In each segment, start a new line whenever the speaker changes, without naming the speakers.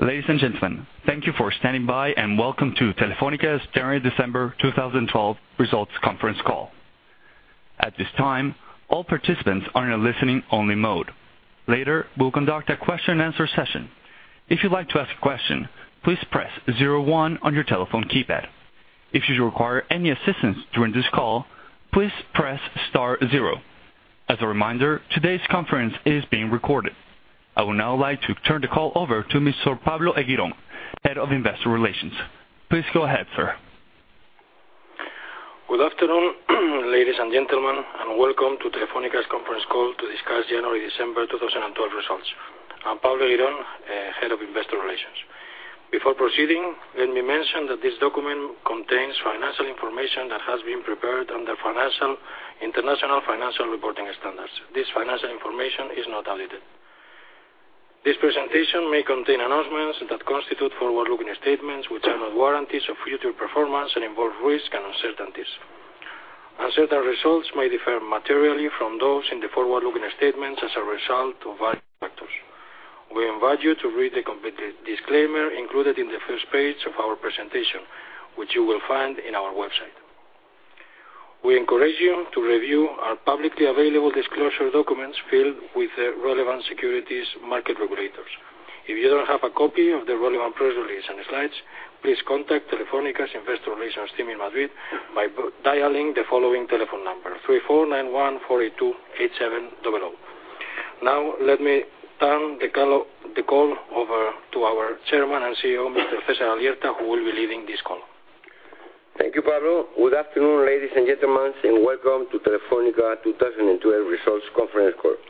Ladies and gentlemen, thank you for standing by, and welcome to Telefónica's January/December 2012 results conference call. At this time, all participants are in a listening only mode. Later, we'll conduct a question-and-answer session. If you'd like to ask a question, please press zero one on your telephone keypad. If you require any assistance during this call, please press star zero. As a reminder, today's conference is being recorded. I would now like to turn the call over to Monsieur Pablo Eguirón, Head of Investor Relations. Please go ahead, sir.
Good afternoon, ladies and gentlemen, and welcome to Telefónica's conference call to discuss January/December 2012 results. I'm Pablo Eguirón, Head of Investor Relations. Before proceeding, let me mention that this document contains financial information that has been prepared under International Financial Reporting Standards. This financial information is not audited. This presentation may contain announcements that constitute forward-looking statements, which are not warranties of future performance and involve risk and uncertainties. Uncertain results may differ materially from those in the forward-looking statements as a result of various factors. We invite you to read the complete disclaimer included in the first page of our presentation, which you will find in our website. We encourage you to review our publicly available disclosure documents filled with the relevant securities market regulators. If you don't have a copy of the relevant press release and slides, please contact Telefónica's Investor Relations Team in Madrid by dialing the following telephone number, 34914828700. Now, let me turn the call over to our Chairman and CEO, Mr. César Alierta, who will be leading this call.
Thank you, Pablo. Good afternoon, ladies and gentlemen, and welcome to Telefónica 2012 Results Conference Call.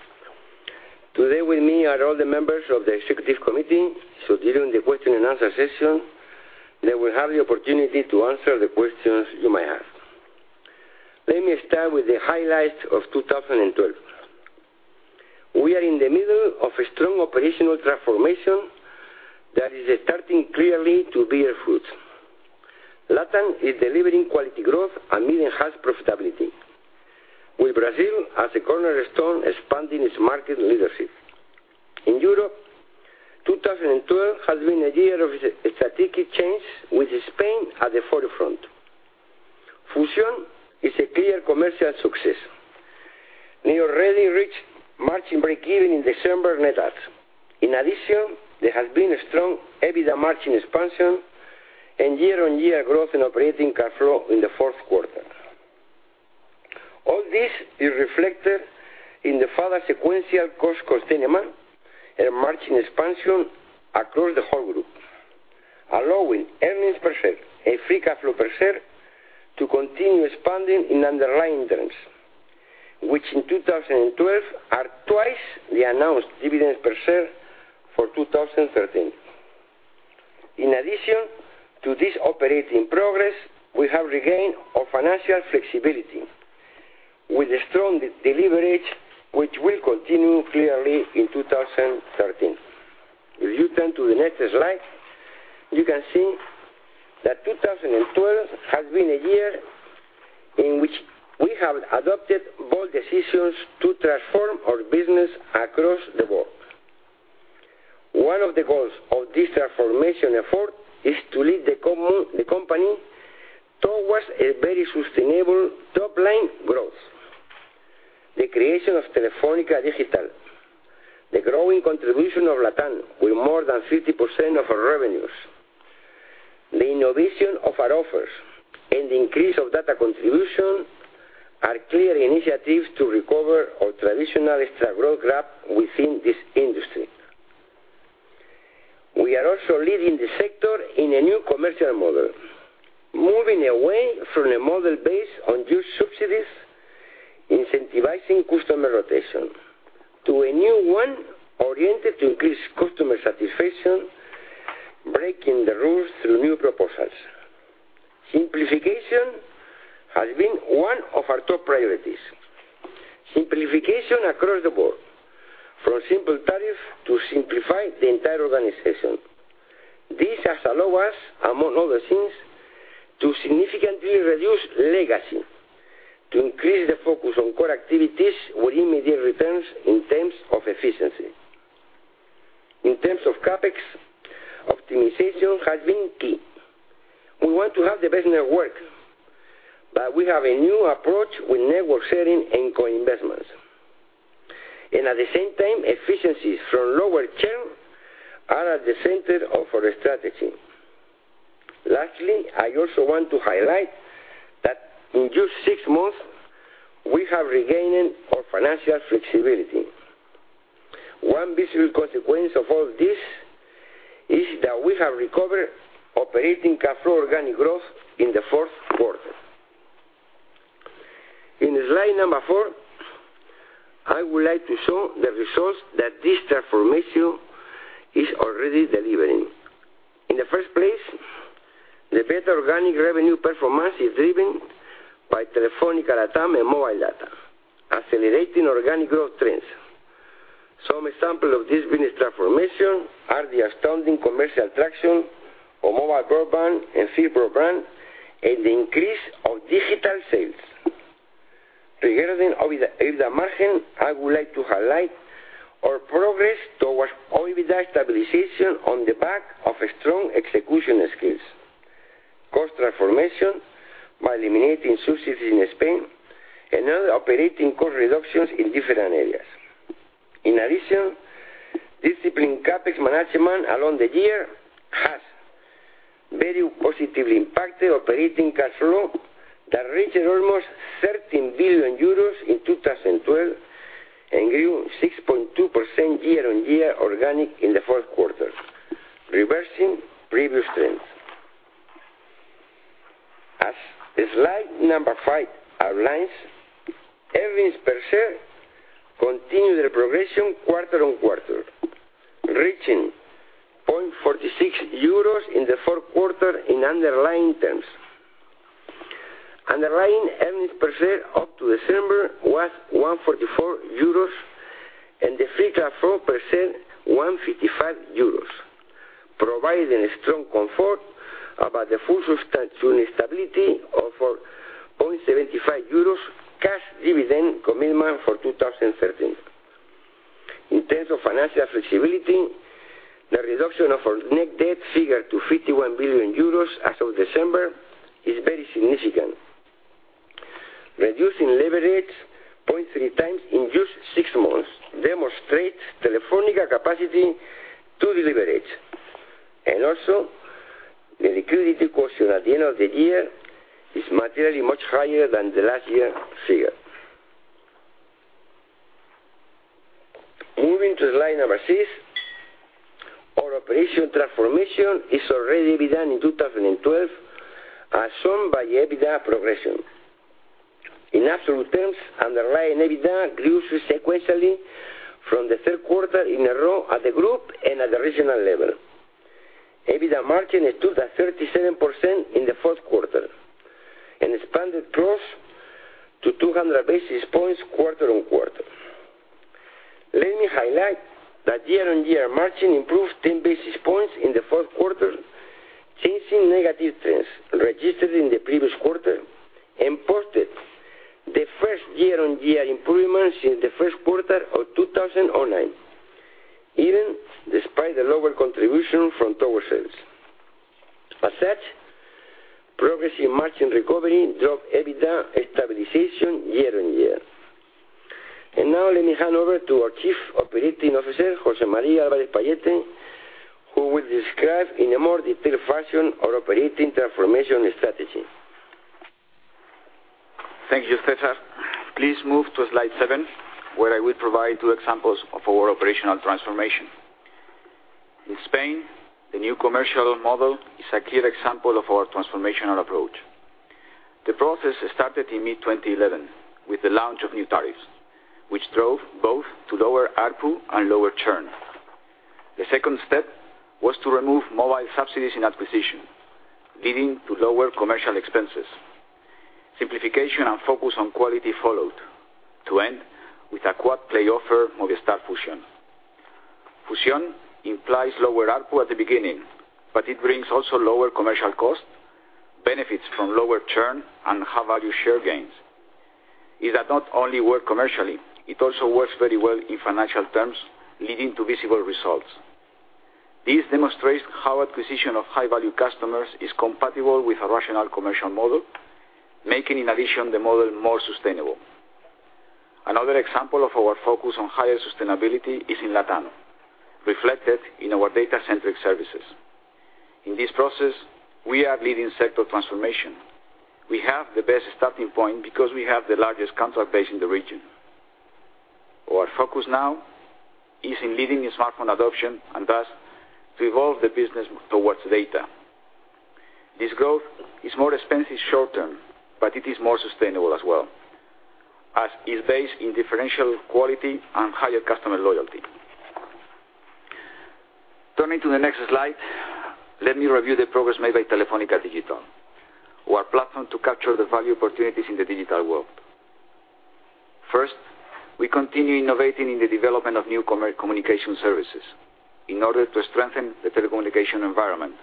Today with me are all the members of the Executive Committee. During the question-and-answer session, they will have the opportunity to answer the questions you might have. Let me start with the highlights of 2012. We are in the middle of a strong operational transformation that is starting clearly to bear fruit. LatAm is delivering quality growth and enhanced profitability, with Brazil as a cornerstone expanding its market leadership. In Europe, 2012 has been a year of strategic change with Spain at the forefront. Fusión is a clear commercial success. We already reached margin break-even in December net adds. In addition, there has been a strong EBITDA margin expansion and year-on-year growth in operating cash flow in the fourth quarter. All this is reflected in the further sequential cost containment and margin expansion across the whole group, allowing earnings per share and free cash flow per share to continue expanding in underlying terms, which in 2012 are twice the announced dividends per share for 2013. In addition to this operating progress, we have regained our financial flexibility with a strong delivery, which will continue clearly in 2013. If you turn to the next slide, you can see that 2012 has been a year in which we have adopted bold decisions to transform our business across the board. One of the goals of this transformation effort is to lead the company towards a very sustainable top-line growth. The creation of Telefónica Digital, the growing contribution of LatAm with more than 50% of our revenues, the innovation of our offers, and the increase of data contribution are clear initiatives to recover our traditional extra growth gap within this industry. We are also leading the sector in a new commercial model, moving away from a model based on huge subsidies, incentivizing customer rotation to a new one oriented to increase customer satisfaction, breaking the rules through new proposals. Simplification has been one of our top priorities. Simplification across the board, from simple tariff to simplify the entire organization. This has allowed us, among other things, to significantly reduce legacy to increase the focus on core activities with immediate returns in terms of efficiency. In terms of CapEx, optimization has been key. We want to have the best network, but we have a new approach with network sharing and co-investments. At the same time, efficiencies from lower churn are at the center of our strategy. Lastly, I also want to highlight that in just six months, we have regained our financial flexibility. One visual consequence of all this is that we have recovered operating cash flow organic growth in the fourth quarter. In slide number four, I would like to show the results that this transformation is already delivering. In the first place, the better organic revenue performance is driven by Telefónica LatAm and mobile data, accelerating organic growth trends. Some example of this business transformation are the astounding commercial traction of mobile broadband and C-band and the increase of digital sales. Regarding EBITDA margin, I would like to highlight our progress towards EBITDA stabilization on the back of strong execution skills, cost transformation by eliminating subsidies in Spain, and other operating cost reductions in different areas. In addition, disciplined CapEx management along the year has very positively impacted operating cash flow that reached almost 13 billion euros in 2012 and grew 6.2% year-on-year organic in the fourth quarter, reversing previous trends. As slide number five outlines, earnings per share continue their progression quarter-on-quarter, reaching 0.46 euros in the fourth quarter in underlying terms. Underlying earnings per share up to December was 1.44 euros, and the free cash flow per share 1.55 euros, providing strong comfort about the full sustainability of our EUR 0.75 cash dividend commitment for 2013. In terms of financial flexibility, the reduction of our net debt figure to 51 billion euros as of December is very significant. Reducing leverage 0.3 times in just six months demonstrates Telefónica capacity to deleverage. Also, the liquidity quotient at the end of the year is materially much higher than the last year figure. Moving to slide number six, our operational transformation is already begun in 2012 as shown by the EBITDA progression. In absolute terms, underlying EBITDA grew sequentially from the third quarter in a row at the group and at the regional level. EBITDA margin stood at 37% in the fourth quarter, and expanded gross to 200 basis points quarter-on-quarter. Let me highlight that year-on-year margin improved 10 basis points in the fourth quarter, changing negative trends registered in the previous quarter, and posted the first year-on-year improvement since the first quarter of 2009. Even despite the lower contribution from tower sales. As such, progressing margin recovery drove EBITDA stabilization year-on-year. Now let me hand over to our Chief Operating Officer, José María Álvarez-Pallete, who will describe in a more detailed fashion our operating transformation strategy.
Thank you, César. Please move to slide seven, where I will provide two examples of our operational transformation. In Spain, the new commercial model is a clear example of our transformational approach. The process started in mid-2011 with the launch of new tariffs, which drove both to lower ARPU and lower churn. The second step was to remove mobile subsidies in acquisition, leading to lower commercial expenses. Simplification and focus on quality followed, to end with a quad-play offer, Movistar Fusión. Fusión implies lower ARPU at the beginning, but it brings also lower commercial costs, benefits from lower churn, and high-value share gains. It does not only work commercially, it also works very well in financial terms, leading to visible results. This demonstrates how acquisition of high-value customers is compatible with a rational commercial model, making, in addition, the model more sustainable. Another example of our focus on higher sustainability is in LatAm, reflected in our data-centric services. In this process, we are leading sector transformation. We have the best starting point because we have the largest contract base in the region. Our focus now is in leading in smartphone adoption, and thus to evolve the business towards data. This growth is more expensive short term, but it is more sustainable as well, as is based in differential quality and higher customer loyalty. Turning to the next slide, let me review the progress made by Telefónica Digital, our platform to capture the value opportunities in the digital world. First, we continue innovating in the development of new communication services in order to strengthen the telecommunication environment.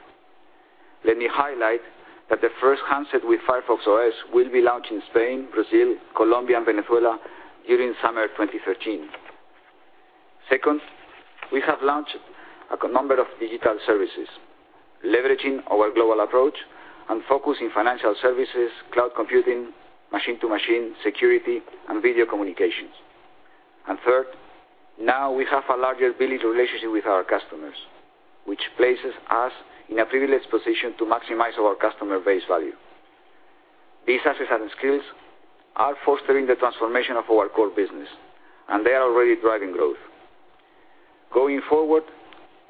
Let me highlight that the first handset with Firefox OS will be launched in Spain, Brazil, Colombia, and Venezuela during summer 2013. Second, we have launched a number of digital services leveraging our global approach and focus in financial services, cloud computing, machine-to-machine security, and video communications. Third, now we have a larger billing relationship with our customers, which places us in a privileged position to maximize our customer base value. These assets and skills are fostering the transformation of our core business, and they are already driving growth. Going forward,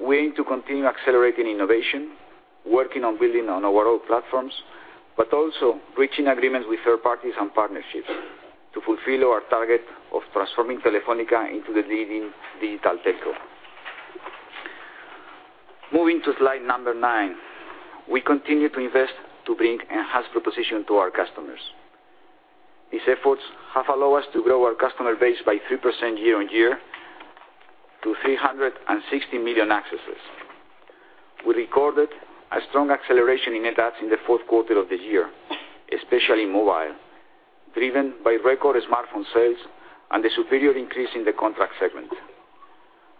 we aim to continue accelerating innovation, working on building on our own platforms, but also reaching agreements with third parties on partnerships to fulfill our target of transforming Telefónica into the leading digital telco. Moving to slide number nine. We continue to invest to bring enhanced proposition to our customers. These efforts have allowed us to grow our customer base by 3% year-on-year To 360 million accesses. We recorded a strong acceleration in net adds in the fourth quarter of the year, especially mobile, driven by record smartphone sales and the superior increase in the contract segment.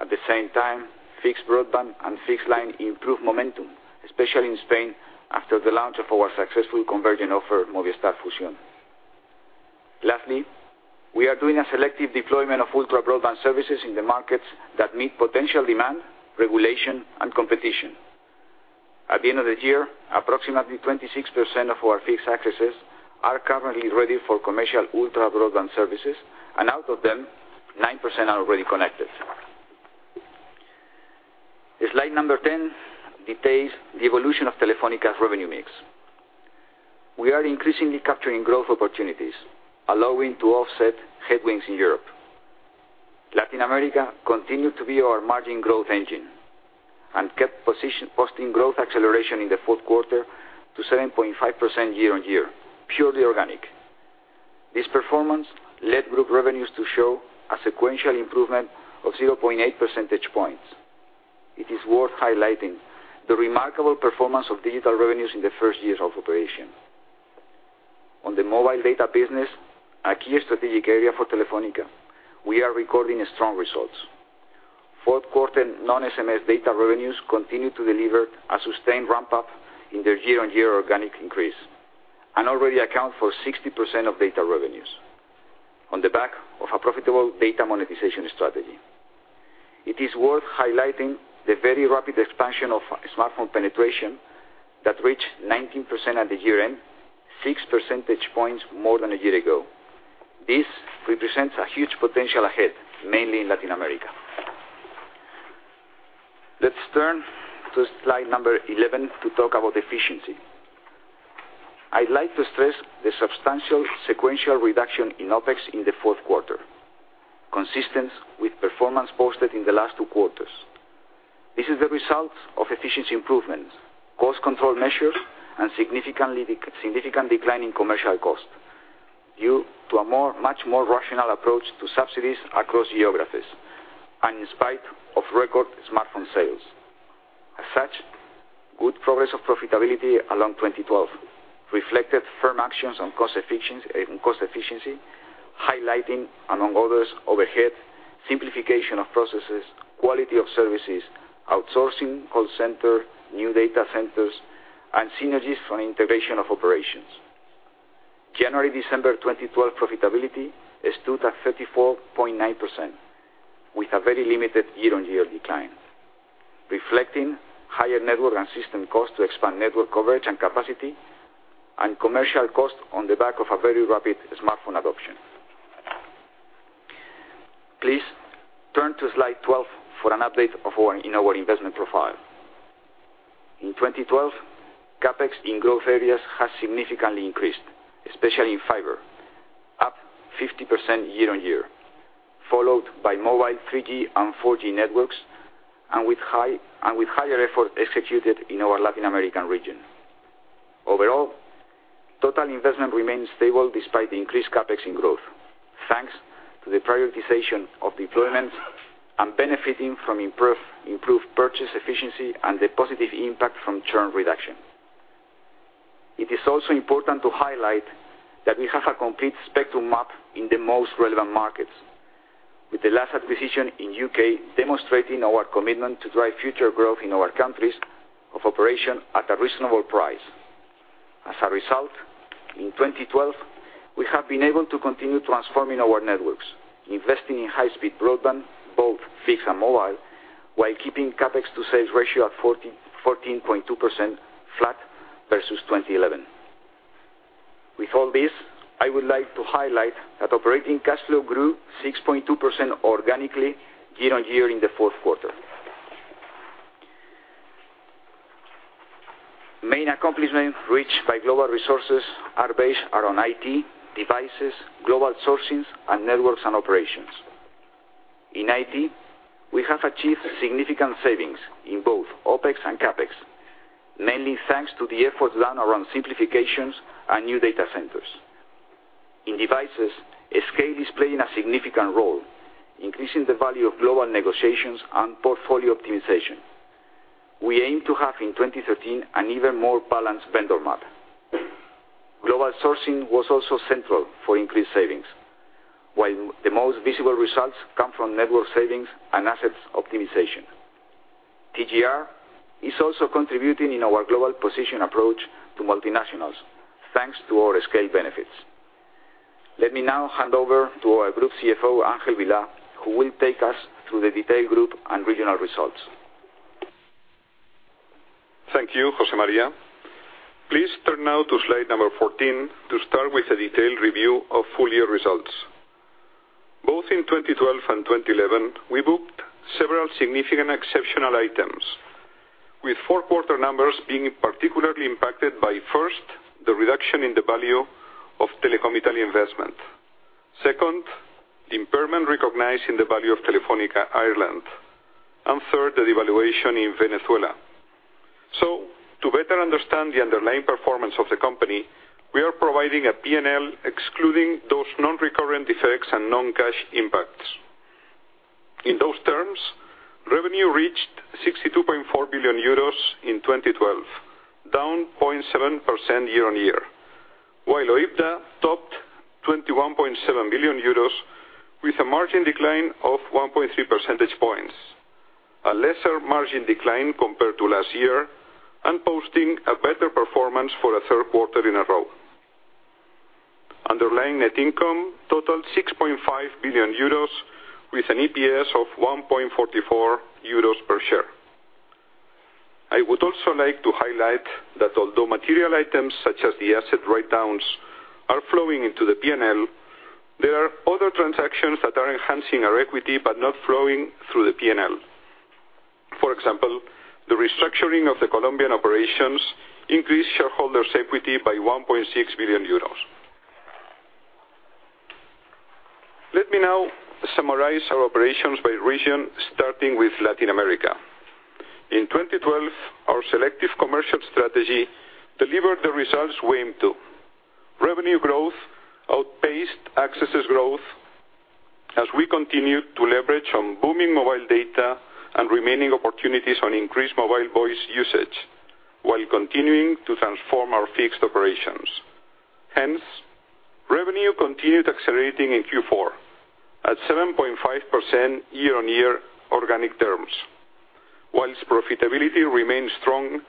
At the same time, fixed broadband and fixed line improved momentum, especially in Spain, after the launch of our successful convergent offer, Movistar Fusión. Lastly, we are doing a selective deployment of ultra-broadband services in the markets that meet potential demand, regulation, and competition. At the end of the year, approximately 26% of our fixed accesses are currently ready for commercial ultra-broadband services, and out of them, 9% are already connected. Slide number 10 details the evolution of Telefónica's revenue mix. We are increasingly capturing growth opportunities, allowing to offset headwinds in Europe. Latin America continued to be our margin growth engine and kept posting growth acceleration in the fourth quarter to 7.5% year-on-year, purely organic. This performance led group revenues to show a sequential improvement of 0.8 percentage points. It is worth highlighting the remarkable performance of digital revenues in the first years of operation. On the mobile data business, a key strategic area for Telefónica, we are recording strong results. Fourth quarter non-SMS data revenues continued to deliver a sustained ramp-up in their year-on-year organic increase and already account for 60% of data revenues, on the back of a profitable data monetization strategy. It is worth highlighting the very rapid expansion of smartphone penetration that reached 19% at the year-end, six percentage points more than a year ago. Let's turn to slide number 11 to talk about efficiency. I'd like to stress the substantial sequential reduction in OpEx in the fourth quarter, consistent with performance posted in the last two quarters. This is the result of efficiency improvements, cost control measures, and significant decline in commercial cost due to a much more rational approach to subsidies across geographies and in spite of record smartphone sales. As such, good progress of profitability along 2012 reflected firm actions on cost efficiency, highlighting, among others, overhead, simplification of processes, quality of services, outsourcing call center, new data centers, and synergies from integration of operations. January-December 2012 profitability stood at 34.9% with a very limited year-on-year decline, reflecting higher network and system costs to expand network coverage and capacity and commercial cost on the back of a very rapid smartphone adoption. Please turn to slide 12 for an update in our investment profile. In 2012, CapEx in growth areas has significantly increased, especially in fiber, up 50% year-on-year, followed by mobile 3G and 4G networks, and with higher effort executed in our Latin American region. Overall, total investment remains stable despite the increased CapEx in growth, thanks to the prioritization of deployments and benefiting from improved purchase efficiency and the positive impact from churn reduction. It is also important to highlight that we have a complete spectrum map in the most relevant markets, with the last acquisition in U.K. demonstrating our commitment to drive future growth in our countries of operation at a reasonable price. As a result, in 2012, we have been able to continue transforming our networks, investing in high-speed broadband, both fixed and mobile, while keeping CapEx to sales ratio at 14.2% flat versus 2011. With all this, I would like to highlight that operating cash flow grew 6.2% organically year-on-year in the fourth quarter. Main accomplishment reached by global resources are based around IT, devices, global sourcings, and networks and operations. In IT, we have achieved significant savings in both OpEx and CapEx, mainly thanks to the efforts done around simplifications and new data centers. In devices, scale is playing a significant role, increasing the value of global negotiations and portfolio optimization. We aim to have in 2013 an even more balanced vendor map. Global sourcing was also central for increased savings, while the most visible results come from network savings and assets optimization. TGR is also contributing in our global position approach to multinationals, thanks to our scale benefits. Let me now hand over to our group CFO, Ángel Vilá, who will take us through the detailed group and regional results.
Thank you, José María. Please turn now to slide number 14 to start with a detailed review of full-year results. Both in 2012 and 2011, we booked several significant exceptional items, with fourth quarter numbers being particularly impacted by, first, the reduction in the value of Telecom Italia investment. Second, the impairment recognized in the value of Telefónica Ireland. Third, the devaluation in Venezuela. To better understand the underlying performance of the company, we are providing a P&L excluding those non-recurrent effects and non-cash impacts. In those terms, revenue reached 62.4 billion euros in 2012, down 0.7% year-on-year, while OIBDA topped 21.7 billion euros with a margin decline of 1.3 percentage points. A lesser margin decline compared to last year and posting a better performance for a third quarter in a row. Underlying net income totaled 6.5 billion euros with an EPS of 1.44 euros per share. I would also like to highlight that although material items such as the asset write-downs are flowing into the P&L, there are other transactions that are enhancing our equity, but not flowing through the P&L. For example, the restructuring of the Colombian operations increased shareholders' equity by 1.6 billion euros. Let me now summarize our operations by region, starting with Latin America. In 2012, our selective commercial strategy delivered the results we aim to. Revenue growth outpaced accesses growth as we continued to leverage on booming mobile data and remaining opportunities on increased mobile voice usage while continuing to transform our fixed operations. Hence, revenue continued accelerating in Q4 at 7.5% year-on-year organic terms, whilst profitability remained strong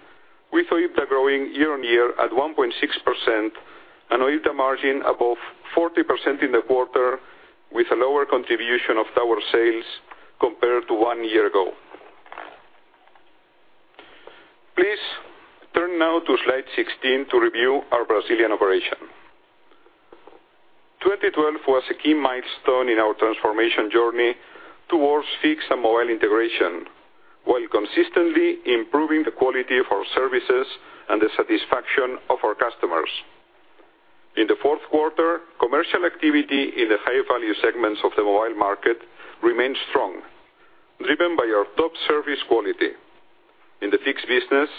with OIBDA growing year-on-year at 1.6% and OIBDA margin above 40% in the quarter with a lower contribution of tower sales compared to one year ago. Please turn now to slide 16 to review our Brazilian operation. 2012 was a key milestone in our transformation journey towards fixed and mobile integration, while consistently improving the quality of our services and the satisfaction of our customers. In the fourth quarter, commercial activity in the high-value segments of the mobile market remained strong, driven by our top service quality. In the fixed business,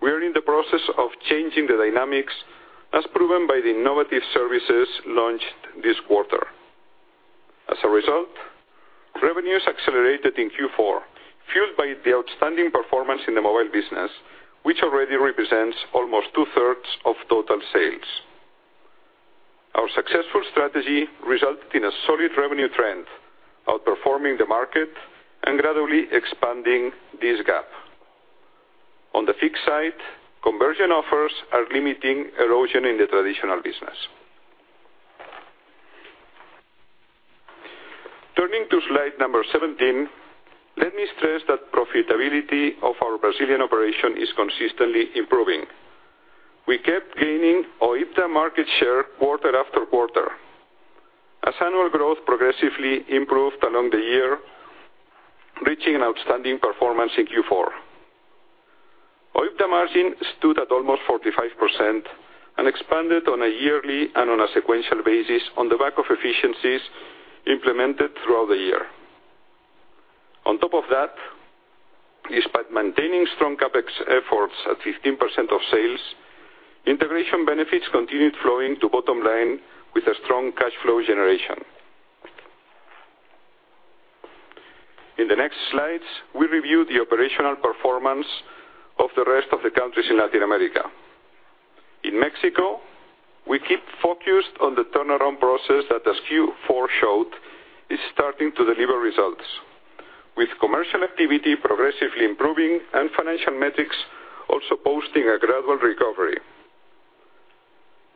we are in the process of changing the dynamics, as proven by the innovative services launched this quarter. As a result, revenues accelerated in Q4, fueled by the outstanding performance in the mobile business, which already represents almost two-thirds of total sales. Our successful strategy resulted in a solid revenue trend, outperforming the market and gradually expanding this gap. On the fixed side, conversion offers are limiting erosion in the traditional business. Turning to slide number 17, let me stress that profitability of our Brazilian operation is consistently improving. We kept gaining OIBDA market share quarter after quarter. As annual growth progressively improved along the year, reaching an outstanding performance in Q4. OIBDA margin stood at almost 45% and expanded on a yearly and on a sequential basis on the back of efficiencies implemented throughout the year. On top of that, despite maintaining strong CapEx efforts at 15% of sales, integration benefits continued flowing to bottom line with a strong cash flow generation. In the next slides, we review the operational performance of the rest of the countries in Latin America. In Mexico, we keep focused on the turnaround process that the Q4 showed is starting to deliver results, with commercial activity progressively improving and financial metrics also posting a gradual recovery.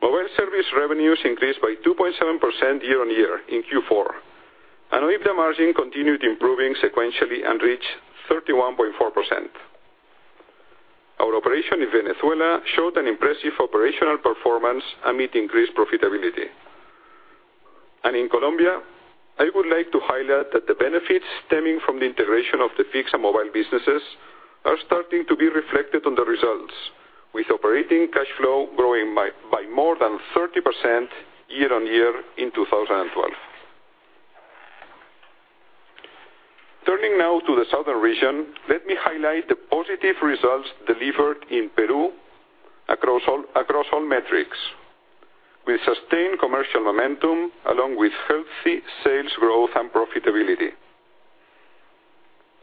Mobile service revenues increased by 2.7% year-on-year in Q4. OIBDA margin continued improving sequentially and reached 31.4%. Our operation in Venezuela showed an impressive operational performance amid increased profitability. In Colombia, I would like to highlight that the benefits stemming from the integration of the fixed and mobile businesses are starting to be reflected on the results, with operating cash flow growing by more than 30% year-on-year in 2012. Turning now to the Southern region, let me highlight the positive results delivered in Peru across all metrics. We sustained commercial momentum along with healthy sales growth and profitability.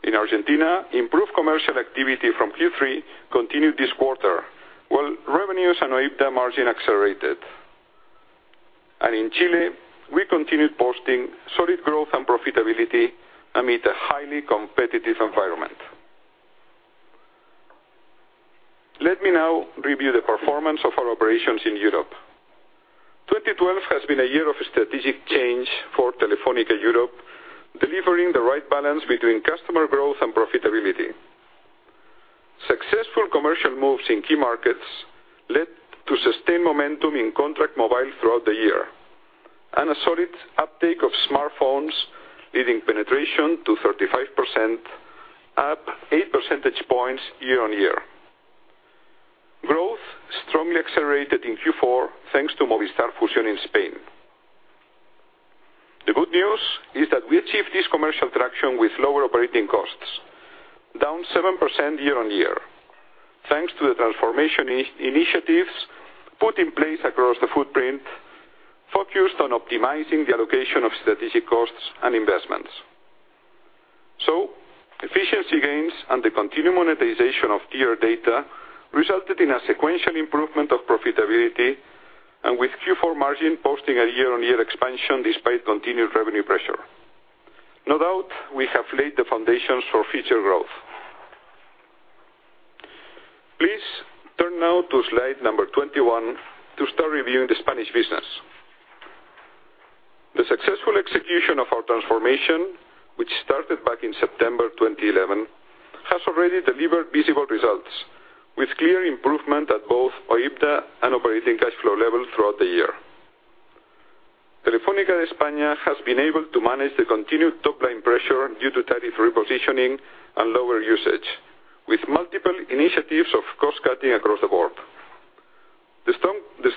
In Argentina, improved commercial activity from Q3 continued this quarter, while revenues and OIBDA margin accelerated. In Chile, we continued posting solid growth and profitability amid a highly competitive environment. Let me now review the performance of our operations in Europe. 2012 has been a year of strategic change for Telefónica Europe, delivering the right balance between customer growth and profitability. Successful commercial moves in key markets led to sustained momentum in contract mobile throughout the year, and a solid uptake of smartphones, leading penetration to 35%, up 8 percentage points year-on-year. Growth strongly accelerated in Q4 thanks to Movistar Fusión in Spain. Good news is that we achieved this commercial traction with lower operating costs, down 7% year-on-year. Thanks to the transformation initiatives put in place across the footprint, focused on optimizing the allocation of strategic costs and investments. Efficiency gains and the continued monetization of tier data resulted in a sequential improvement of profitability and with Q4 margin posting a year-on-year expansion despite continued revenue pressure. No doubt, we have laid the foundations for future growth. Please turn now to slide number 21 to start reviewing the Spanish business. The successful execution of our transformation, which started back in September 2011, has already delivered visible results, with clear improvement at both OIBDA and operating cash flow levels throughout the year. Telefónica España has been able to manage the continued top-line pressure due to tariff repositioning and lower usage, with multiple initiatives of cost-cutting across the board. The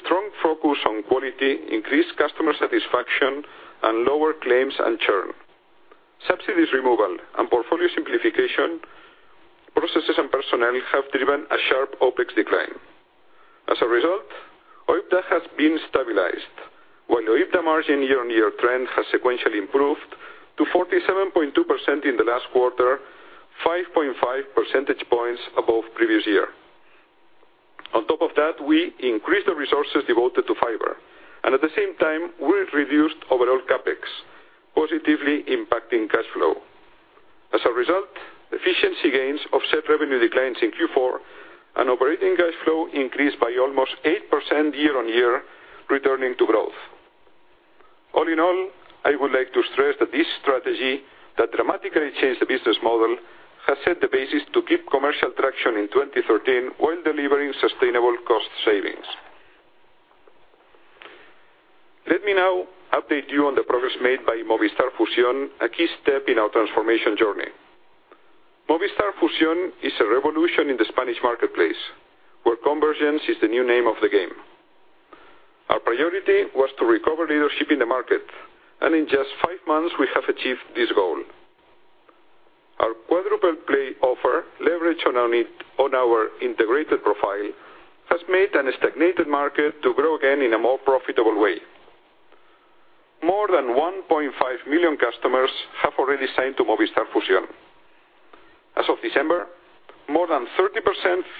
strong focus on quality increased customer satisfaction and lower claims and churn. Subsidies removal and portfolio simplification, processes and personnel have driven a sharp OpEx decline. As a result, OIBDA has been stabilized, while OIBDA margin year-on-year trend has sequentially improved to 47.2% in the last quarter, 5.5 percentage points above previous year. On top of that, we increased the resources devoted to fiber, and at the same time, we reduced overall CapEx, positively impacting cash flow. As a result, efficiency gains offset revenue declines in Q4 and operating cash flow increased by almost 8% year-on-year, returning to growth. All in all, I would like to stress that this strategy that dramatically changed the business model has set the basis to keep commercial traction in 2013 while delivering sustainable cost savings. Let me now update you on the progress made by Movistar Fusión, a key step in our transformation journey. Movistar Fusión is a revolution in the Spanish marketplace, where convergence is the new name of the game. Our priority was to recover leadership in the market, and in just five months, we have achieved this goal. Our quadruple play offer, leverage on our integrated profile, has made a stagnated market to grow again in a more profitable way. More than 1.5 million customers have already signed to Movistar Fusión. As of December, more than 30%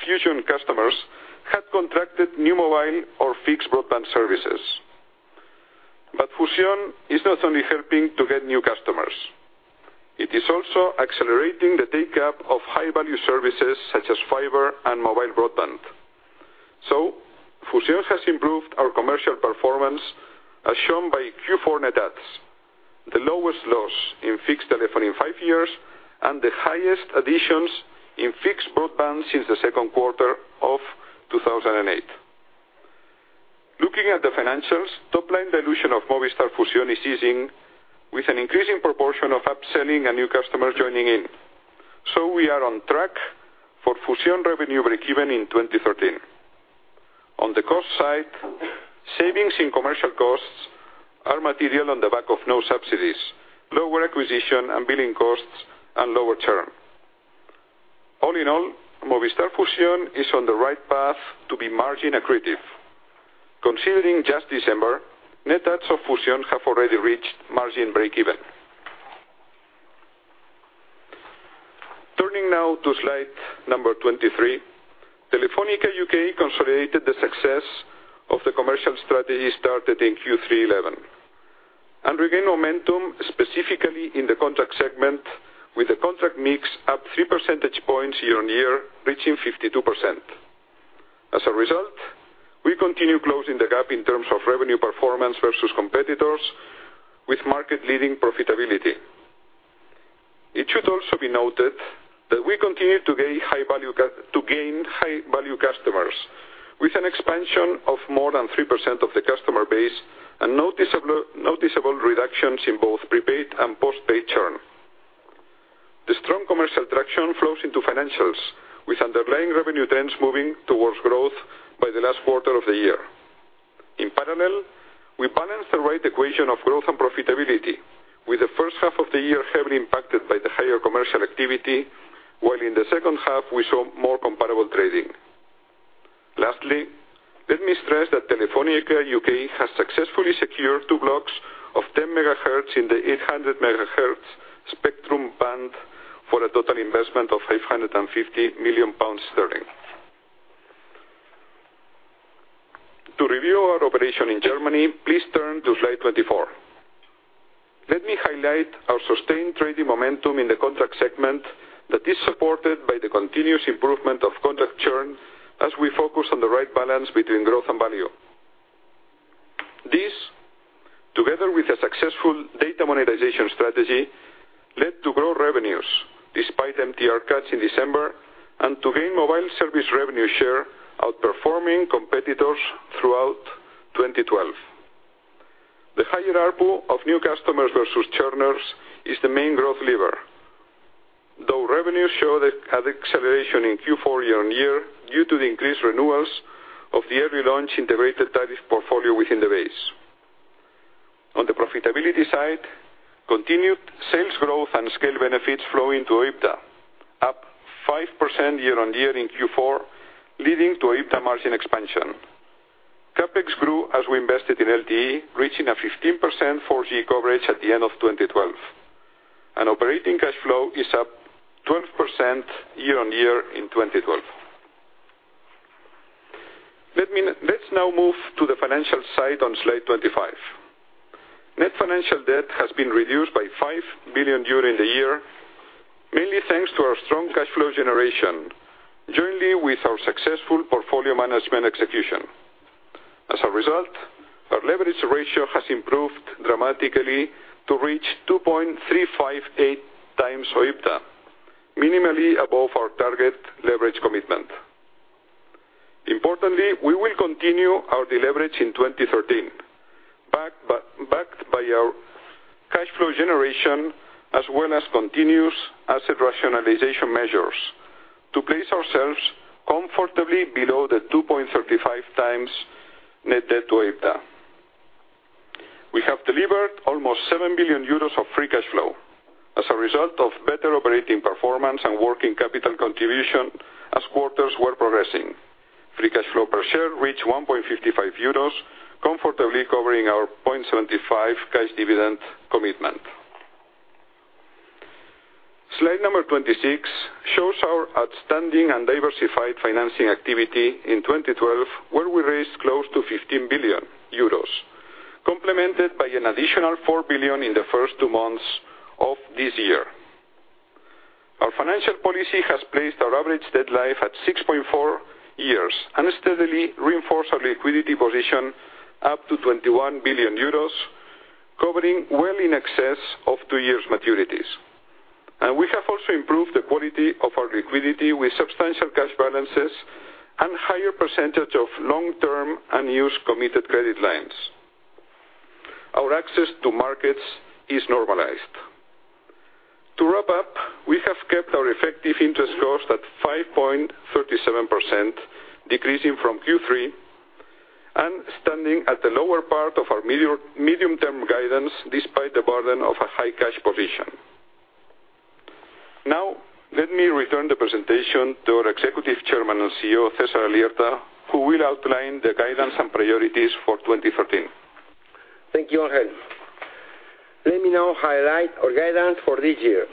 Fusión customers had contracted new mobile or fixed broadband services. Fusión is not only helping to get new customers. It is also accelerating the take-up of high-value services such as fiber and mobile broadband. Fusión has improved our commercial performance, as shown by Q4 net adds, the lowest loss in fixed telephone in five years, and the highest additions in fixed broadband since the second quarter of 2008. Looking at the financials, top line dilution of Movistar Fusión is ceasing with an increasing proportion of upselling and new customers joining in. We are on track for Fusión revenue break even in 2013. On the cost side, savings in commercial costs are material on the back of no subsidies, lower acquisition and billing costs, and lower churn. All in all, Movistar Fusión is on the right path to be margin accretive. Considering just December, net adds of Fusión have already reached margin break even. Turning now to slide number 23. Telefónica UK consolidated the success of the commercial strategy started in Q3 2011 and regained momentum, specifically in the contract segment, with the contract mix up three percentage points year-on-year, reaching 52%. As a result, we continue closing the gap in terms of revenue performance versus competitors with market-leading profitability. It should also be noted that we continue to gain high-value customers with an expansion of more than 3% of the customer base and noticeable reductions in both prepaid and postpaid churn. The strong commercial traction flows into financials, with underlying revenue trends moving towards growth by the last quarter of the year. In parallel, we balance the right equation of growth and profitability, with the first half of the year heavily impacted by the higher commercial activity, while in the second half, we saw more comparable trading. Lastly, let me stress that Telefónica UK has successfully secured two blocks of 10 MHz in the 800 MHz spectrum band for a total investment of 550 million pounds. To review our operation in Germany, please turn to slide 24. Let me highlight our sustained trading momentum in the contract segment that is supported by the continuous improvement of contract churn as we focus on the right balance between growth and value. This, together with a successful data monetization strategy, led to grow revenues despite MTR cuts in December and to gain mobile service revenue share outperforming competitors throughout 2012. The higher ARPU of new customers versus churners is the main growth lever. Revenue showed an acceleration in Q4 year-on-year due to the increased renewals of the every launch integrated tariff portfolio within the base. On the profitability side, continued sales growth and scale benefits flow into OIBDA, up 5% year-on-year in Q4, leading to OIBDA margin expansion. CapEx grew as we invested in LTE, reaching a 15% 4G coverage at the end of 2012. Operating cash flow is up 12% year-on-year in 2012. Let's now move to the financial side on slide 25. Net financial debt has been reduced by 5 billion euro in the year, mainly thanks to our strong cash flow generation, jointly with our successful portfolio management execution. As a result, our leverage ratio has improved dramatically to reach 2.358 times OIBDA, minimally above our target leverage commitment. Importantly, we will continue our deleverage in 2013, backed by our cash flow generation, as well as continuous asset rationalization measures to place ourselves comfortably below the 2.35 times net debt to OIBDA. We have delivered almost 7 billion euros of free cash flow as a result of better operating performance and working capital contribution as quarters were progressing. Free cash flow per share reached 1.55 euros, comfortably covering our 0.75 cash dividend commitment. Slide number 26 shows our outstanding and diversified financing activity in 2012, where we raised close to 15 billion euros, complemented by an additional 4 billion in the first two months of this year. Our financial policy has placed our average debt life at 6.4 years and steadily reinforced our liquidity position up to 21 billion euros, covering well in excess of two years' maturities. We have also improved the quality of our liquidity with substantial cash balances and higher percentage of long-term unused committed credit lines. Our access to markets is normalized. To wrap up, we have kept our effective interest cost at 5.37%, decreasing from Q3 and standing at the lower part of our medium-term guidance despite the burden of a high cash position. Now, let me return the presentation to our Executive Chairman and CEO, César Alierta, who will outline the guidance and priorities for 2013.
Thank you, Ángel. Let me now highlight our guidance for this year.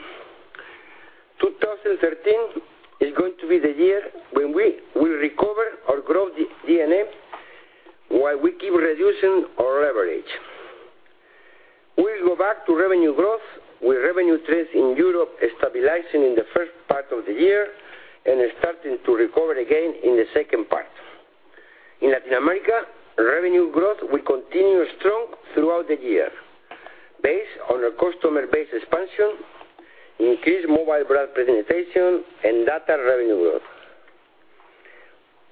2013 is going to be the year when we will recover our growth DNA while we keep reducing our leverage. We will go back to revenue growth, with revenue trends in Europe stabilizing in the first part of the year and starting to recover again in the second part. In Latin America, revenue growth will continue strong throughout the year based on our customer base expansion, increased mobile brand presentation, and data revenue growth.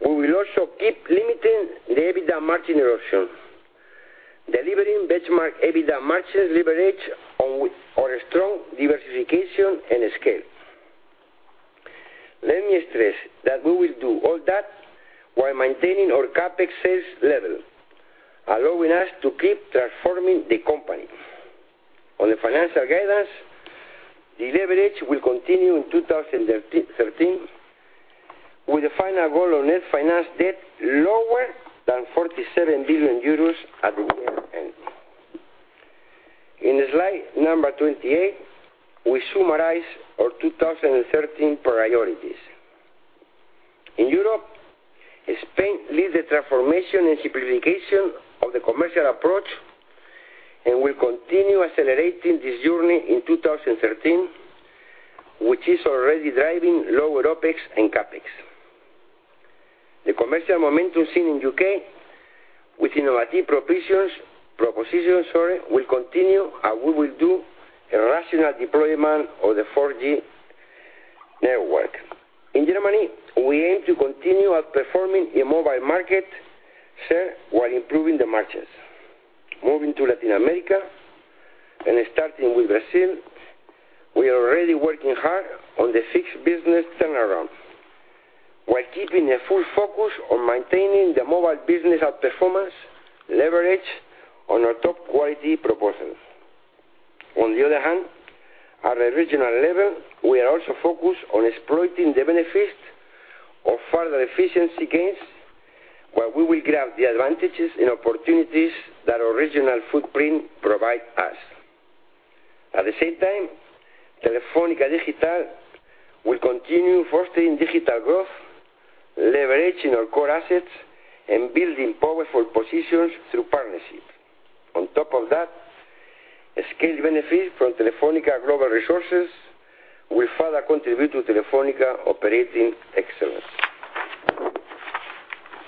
We will also keep limiting the OIBDA margin erosion, delivering benchmark OIBDA margins leverage on our strong diversification and scale. Let me stress that we will do all that while maintaining our CapEx sales level, allowing us to keep transforming the company. On the financial guidance, the leverage will continue in 2013 with a final goal of net financial debt lower than 47 billion euros at the year-end. In slide number 28, we summarize our 2013 priorities. In Europe, Spain leads the transformation and simplification of the commercial approach and will continue accelerating this journey in 2013, which is already driving lower OpEx and CapEx. The commercial momentum seen in U.K. with innovative propositions will continue, and we will do a rational deployment of the 4G network. In Germany, we aim to continue outperforming a mobile market share while improving the margins. Moving to Latin America, and starting with Brazil, we are already working hard on the fixed business turnaround while keeping a full focus on maintaining the mobile business outperformance leverage on our top quality proposals. On the other hand, at a regional level, we are also focused on exploiting the benefits of further efficiency gains, where we will grab the advantages and opportunities that our regional footprint provide us. At the same time, Telefónica Digital will continue fostering digital growth, leveraging our core assets, and building powerful positions through partnership. On top of that, scale benefit from Telefónica Global Resources will further contribute to Telefónica operating excellence.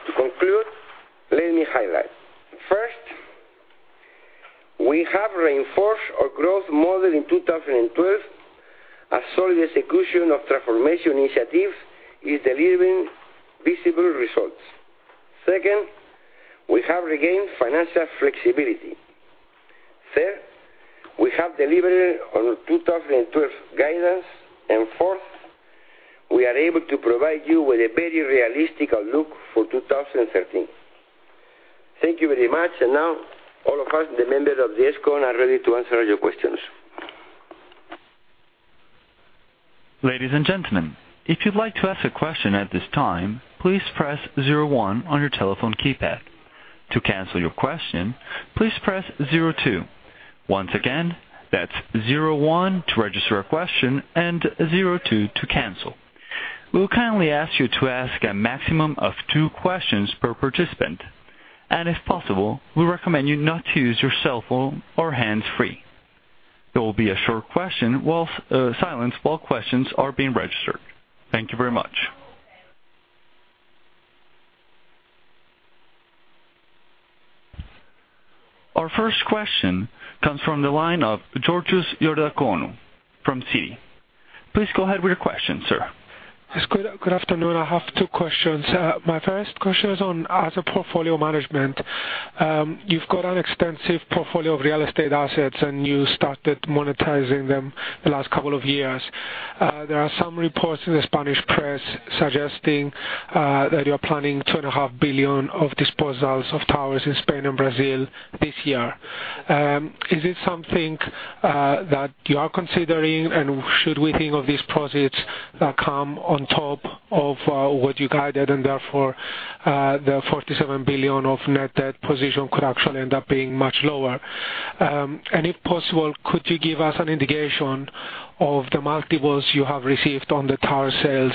To conclude, let me highlight. First, we have reinforced our growth model in 2012, a solid execution of transformation initiatives is delivering visible results. Second, we have regained financial flexibility. Third, we have delivered on 2012 guidance. And fourth, we are able to provide you with a very realistic outlook for 2013. Thank you very much. And now all of us, the members of the ExCo, are ready to answer all your questions.
Ladies and gentlemen, if you'd like to ask a question at this time, please press 01 on your telephone keypad. To cancel your question, please press 02. Once again, that's 01 to register a question and 02 to cancel. We will kindly ask you to ask a maximum of two questions per participant. And if possible, we recommend you not to use your cell phone or hands-free. There will be a short silence while questions are being registered. Thank you very much. Our first question comes from the line of Georgios Ierodiakonou from Citi. Please go ahead with your question, sir.
Yes, good afternoon. I have two questions. My first question is on asset portfolio management. You've got an extensive portfolio of real estate assets, and you started monetizing them the last couple of years. There are some reports in the Spanish press suggesting that you're planning 2.5 billion of disposals of towers in Spain and Brazil this year. Is it something that you are considering? And should we think of these proceeds that come on top of what you guided and therefore, the 47 billion of net debt position could actually end up being much lower? And if possible, could you give us an indication of the multiples you have received on the tower sales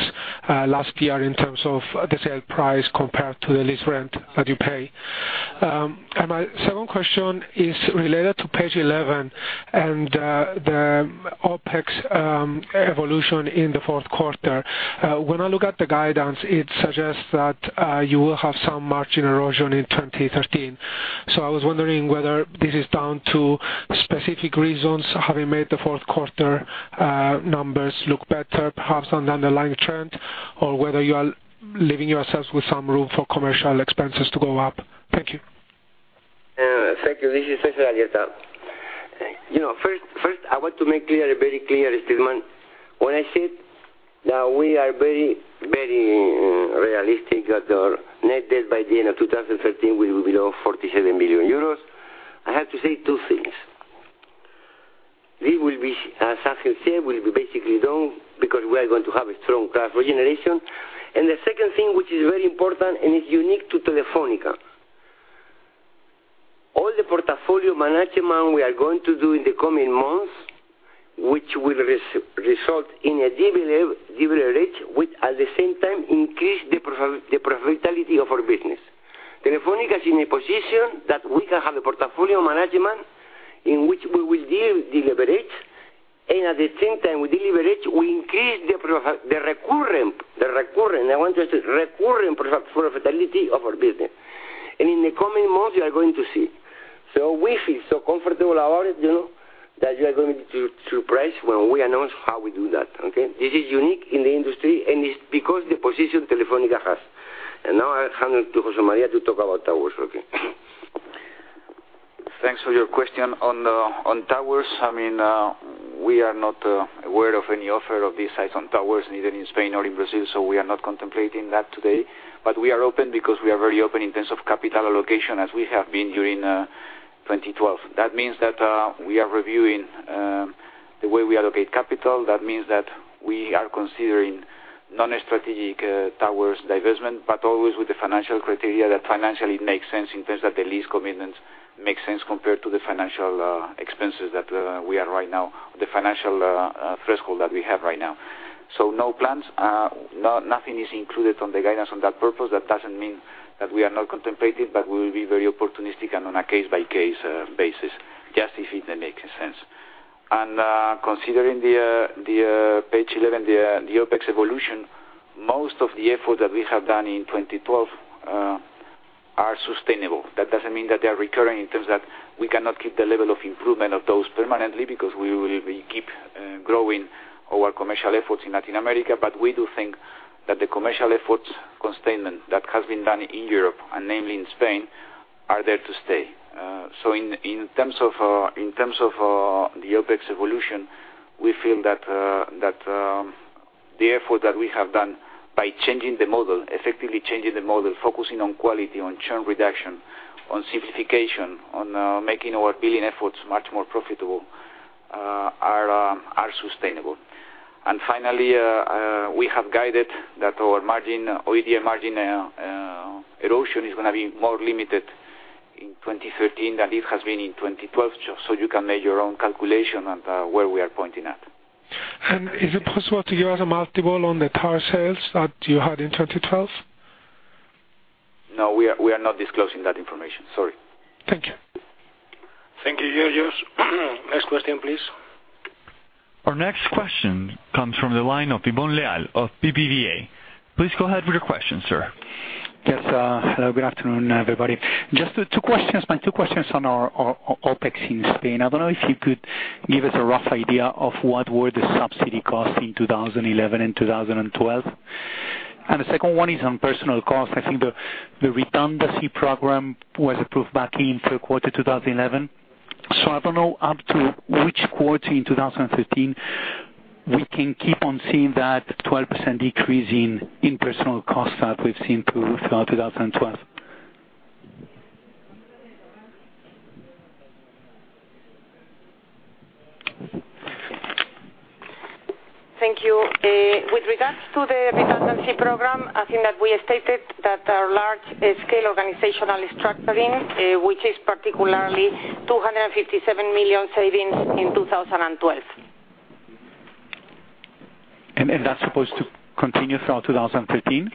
last year in terms of the sale price compared to the lease rent that you pay? And my second question is related to page 11 and the OpEx evolution in the fourth quarter. When I look at the guidance, it suggests that you will have some margin erosion in 2013. I was wondering whether this is down to specific reasons having made the fourth quarter numbers look better, perhaps on the underlying trend, or whether you are leaving yourselves with some room for commercial expenses to go up. Thank you.
Thank you. This is César Alierta. First, I want to make a very clear statement. When I said that we are very realistic that our net debt by the end of 2013 will be below 47 billion euros, I have to say two things. This will be, as César said, will be basically down because we are going to have a strong cash regeneration. The second thing, which is very important and is unique to Telefónica. All the portfolio management we are going to do in the coming months, which will result in a de-leverage, which at the same time increase the profitability of our business. Telefónica is in a position that we can have a portfolio management in which we will de-leverage, and at the same time we de-leverage, we increase the recurring profitability of our business. In the coming months, you are going to see. We feel so comfortable about it, that you are going to be surprised when we announce how we do that. Okay. This is unique in the industry, and it's because the position Telefónica has. Now I hand to José María to talk about towers. Okay.
Thanks for your question. On towers, we are not aware of any offer of this size on towers, neither in Spain nor in Brazil. We are not contemplating that today. We are open because we are very open in terms of capital allocation as we have been during 2012. That means that we are reviewing the way we allocate capital. That means that we are considering non-strategic towers divestment, but always with the financial criteria that financially makes sense in terms that the lease commitments make sense compared to the financial threshold that we have right now. No plans. Nothing is included on the guidance on that purpose. That doesn't mean that we are not contemplating, but we will be very opportunistic and on a case-by-case basis, just if it makes sense. Considering the page 11, the OpEx evolution, most of the effort that we have done in 2012 are sustainable. That doesn't mean that they're recurring in terms that we cannot keep the level of improvement of those permanently because we will keep growing our commercial efforts in Latin America. We do think that the commercial efforts containment that has been done in Europe, and namely in Spain, are there to stay. In terms of the OpEx evolution, we feel that the effort that we have done by effectively changing the model, focusing on quality, on churn reduction, on simplification, on making our billing efforts much more profitable, are sustainable. Finally, we have guided that our OIBDA margin erosion is going to be more limited in 2013 than it has been in 2012. You can make your own calculation on where we are pointing at.
Is it possible to give us a multiple on the tower sales that you had in 2012?
No, we are not disclosing that information. Sorry.
Thank you.
Thank you, Georgios. Next question, please.
Our next question comes from the line of Ivón Leal of BBVA. Please go ahead with your question, sir.
Yes. Hello, good afternoon, everybody. Just two questions, my two questions on our OpEx in Spain. I don't know if you could give us a rough idea of what were the subsidy costs in 2011 and 2012. The second one is on personal cost. I think the redundancy program was approved back in third quarter 2011. I don't know up to which quarter in 2013 we can keep on seeing that 12% decrease in personal costs that we've seen through 2012.
Thank you. With regards to the redundancy program, I think that we stated that our large-scale organizational restructuring, which is particularly 257 million savings in 2012.
That's supposed to continue throughout 2013?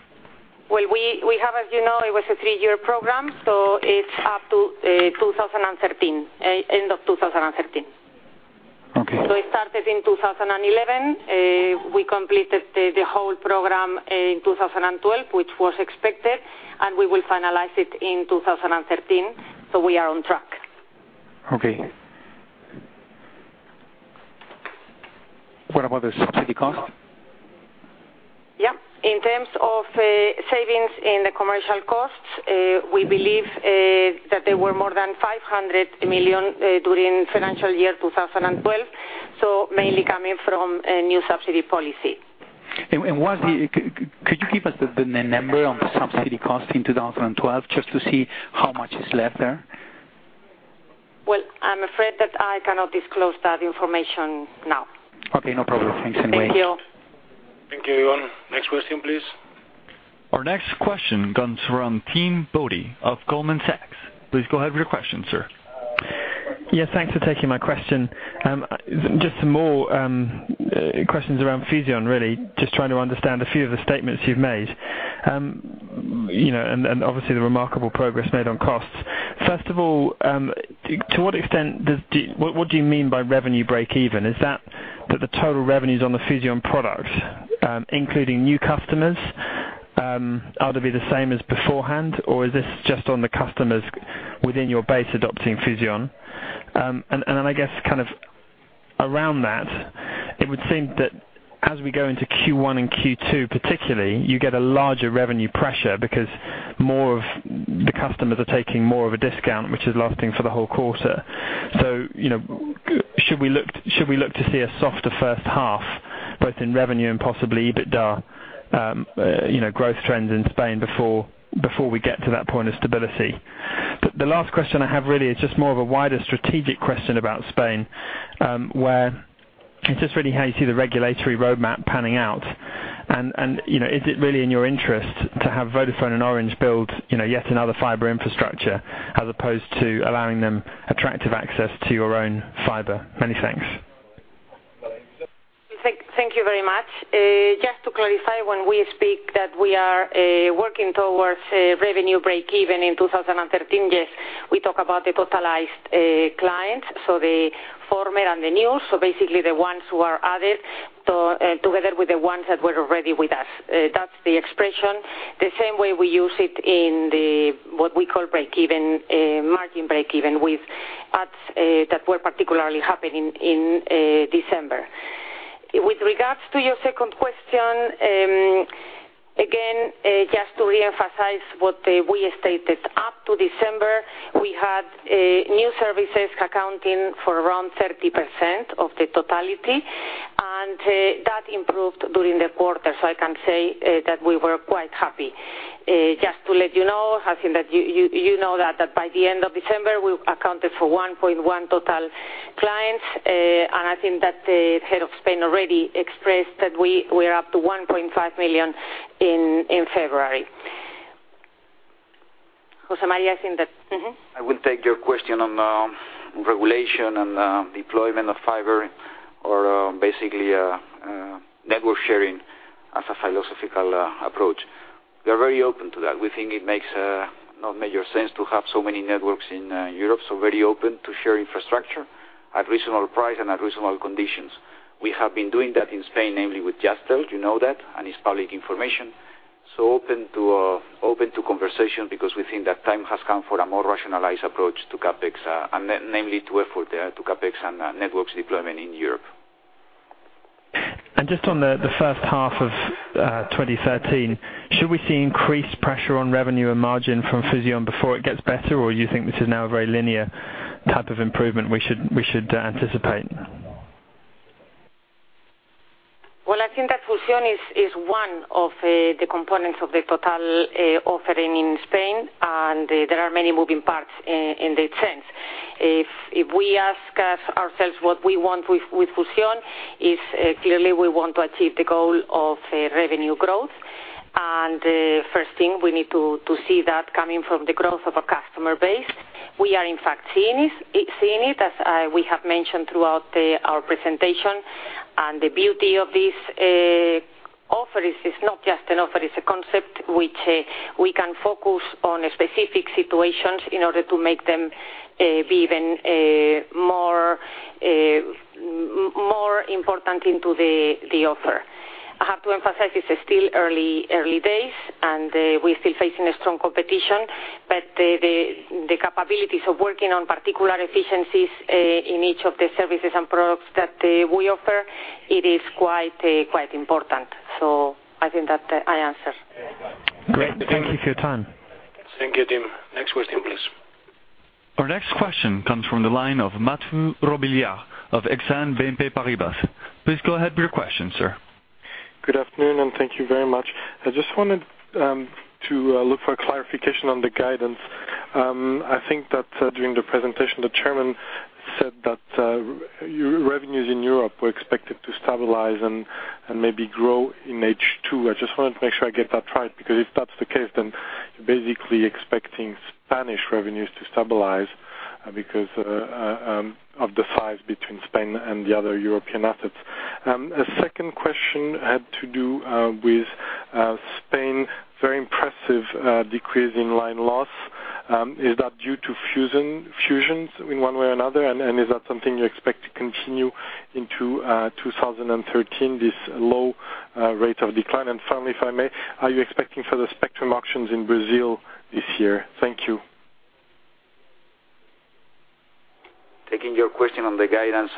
As you know, it was a three-year program, so it's up to end of 2013.
Okay.
It started in 2011. We completed the whole program in 2012, which was expected, and we will finalize it in 2013. We are on track.
What about the subsidy cost?
Yeah. In terms of savings in the commercial costs, we believe that there were more than 500 million during financial year 2012, mainly coming from a new subsidy policy.
Could you give us the net number on the subsidy cost in 2012 just to see how much is left there?
Well, I'm afraid that I cannot disclose that information now.
Okay, no problem. Thanks anyway.
Thank you.
Thank you, Iván. Next question, please.
Our next question comes from Timothy Bodie of Goldman Sachs. Please go ahead with your question, sir.
Yes, thanks for taking my question. Just some more questions around Fusión, really. Just trying to understand a few of the statements you've made, and obviously the remarkable progress made on costs. First of all, what do you mean by revenue breakeven? Is that the total revenues on the Fusión product, including new customers, are to be the same as beforehand, or is this just on the customers within your base adopting Fusión? Then, I guess, around that, it would seem that as we go into Q1 and Q2, particularly, you get a larger revenue pressure because more of the customers are taking more of a discount, which is lasting for the whole quarter. Should we look to see a softer first half, both in revenue and possibly EBITDA growth trends in Spain before we get to that point of stability? The last question I have really is just more of a wider strategic question about Spain, where it's just really how you see the regulatory roadmap panning out. Is it really in your interest to have Vodafone and Orange build yet another fiber infrastructure as opposed to allowing them attractive access to your own fiber? Many thanks.
Thank you very much. Just to clarify, when we speak that we are working towards revenue breakeven in 2013, yes, we talk about the totalized clients, so the former and the new. Basically, the ones who are added together with the ones that were already with us. That's the expression. The same way we use it in what we call breakeven, margin breakeven with adds that were particularly happening in December. With regards to your second question, again, just to reemphasize what we stated. Up to December, we had new services accounting for around 30% of the totality, and that improved during the quarter. I can say that we were quite happy. Just to let you know, I think that you know that by the end of December, we accounted for 1.1 total clients. I think that the head of Spain already expressed that we're up to 1.5 million in February. José María, I think that.
I will take your question on regulation and deployment of fiber or basically network sharing as a philosophical approach. We are very open to that. We think it makes major sense to have so many networks in Europe, very open to share infrastructure at reasonable price and at reasonable conditions. We have been doing that in Spain, namely with Jazztel. You know that, and it's public information. Open to conversation because we think that time has come for a more rationalized approach to CapEx, and namely to effort to CapEx and networks deployment in Europe.
Just on the first half of 2013, should we see increased pressure on revenue and margin from Fusión before it gets better? Or you think this is now a very linear type of improvement we should anticipate?
I think that Fusión is one of the components of the total offering in Spain, and there are many moving parts in that sense. If we ask ourselves what we want with Fusión, is clearly we want to achieve the goal of revenue growth. First thing, we need to see that coming from the growth of a customer base. We are in fact seeing it, as we have mentioned throughout our presentation. The beauty of this offer is it's not just an offer, it's a concept which we can focus on specific situations in order to make them be even more important into the offer. I have to emphasize it's still early days, and we're still facing a strong competition, but the capabilities of working on particular efficiencies in each of the services and products that we offer, it is quite important. I think that I answered.
Great. Thank you for your time.
Thank you, Tim. Next question, please.
Our next question comes from the line of Mathieu Robilliard of Exane BNP Paribas. Please go ahead with your question, sir.
Good afternoon, thank you very much. I just wanted to look for clarification on the guidance. I think that during the presentation, the chairman said that your revenues in Europe were expected to stabilize and maybe grow in H2. I just wanted to make sure I get that right, because if that's the case, then you're basically expecting Spanish revenues to stabilize because of the size between Spain and the other European assets. A second question had to do with Spain, very impressive decrease in line loss. Is that due to Fusión in one way or another? Is that something you expect to continue into 2013, this low rate of decline? Finally, if I may, are you expecting further spectrum auctions in Brazil this year? Thank you.
Taking your question on the guidance.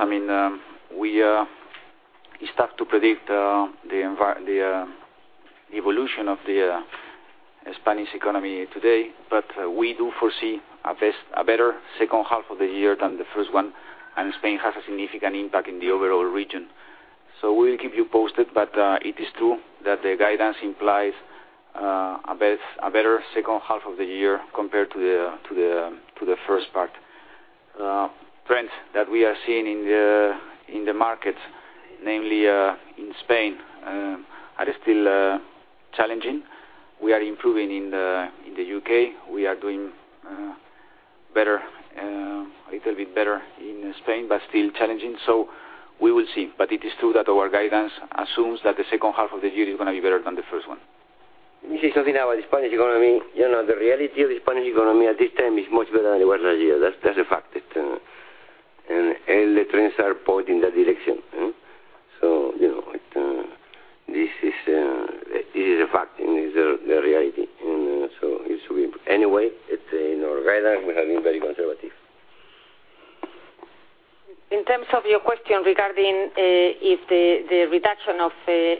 It's tough to predict the evolution of the Spanish economy today, we do foresee a better second half of the year than the first one, and Spain has a significant impact in the overall region. We'll keep you posted. It is true that the guidance implies a better second half of the year compared to the first part. Trends that we are seeing in the markets, namely in Spain, are still challenging. We are improving in the U.K. We are doing a little bit better in Spain, but still challenging. We will see. It is true that our guidance assumes that the second half of the year is going to be better than the first one.
This is something about the Spanish economy. The reality of the Spanish economy at this time is much better than it was last year. That's a fact. All the trends are pointing in that direction. This is a fact and the reality. Anyway, in our guidance, we have been very conservative.
In terms of your question regarding if the reduction of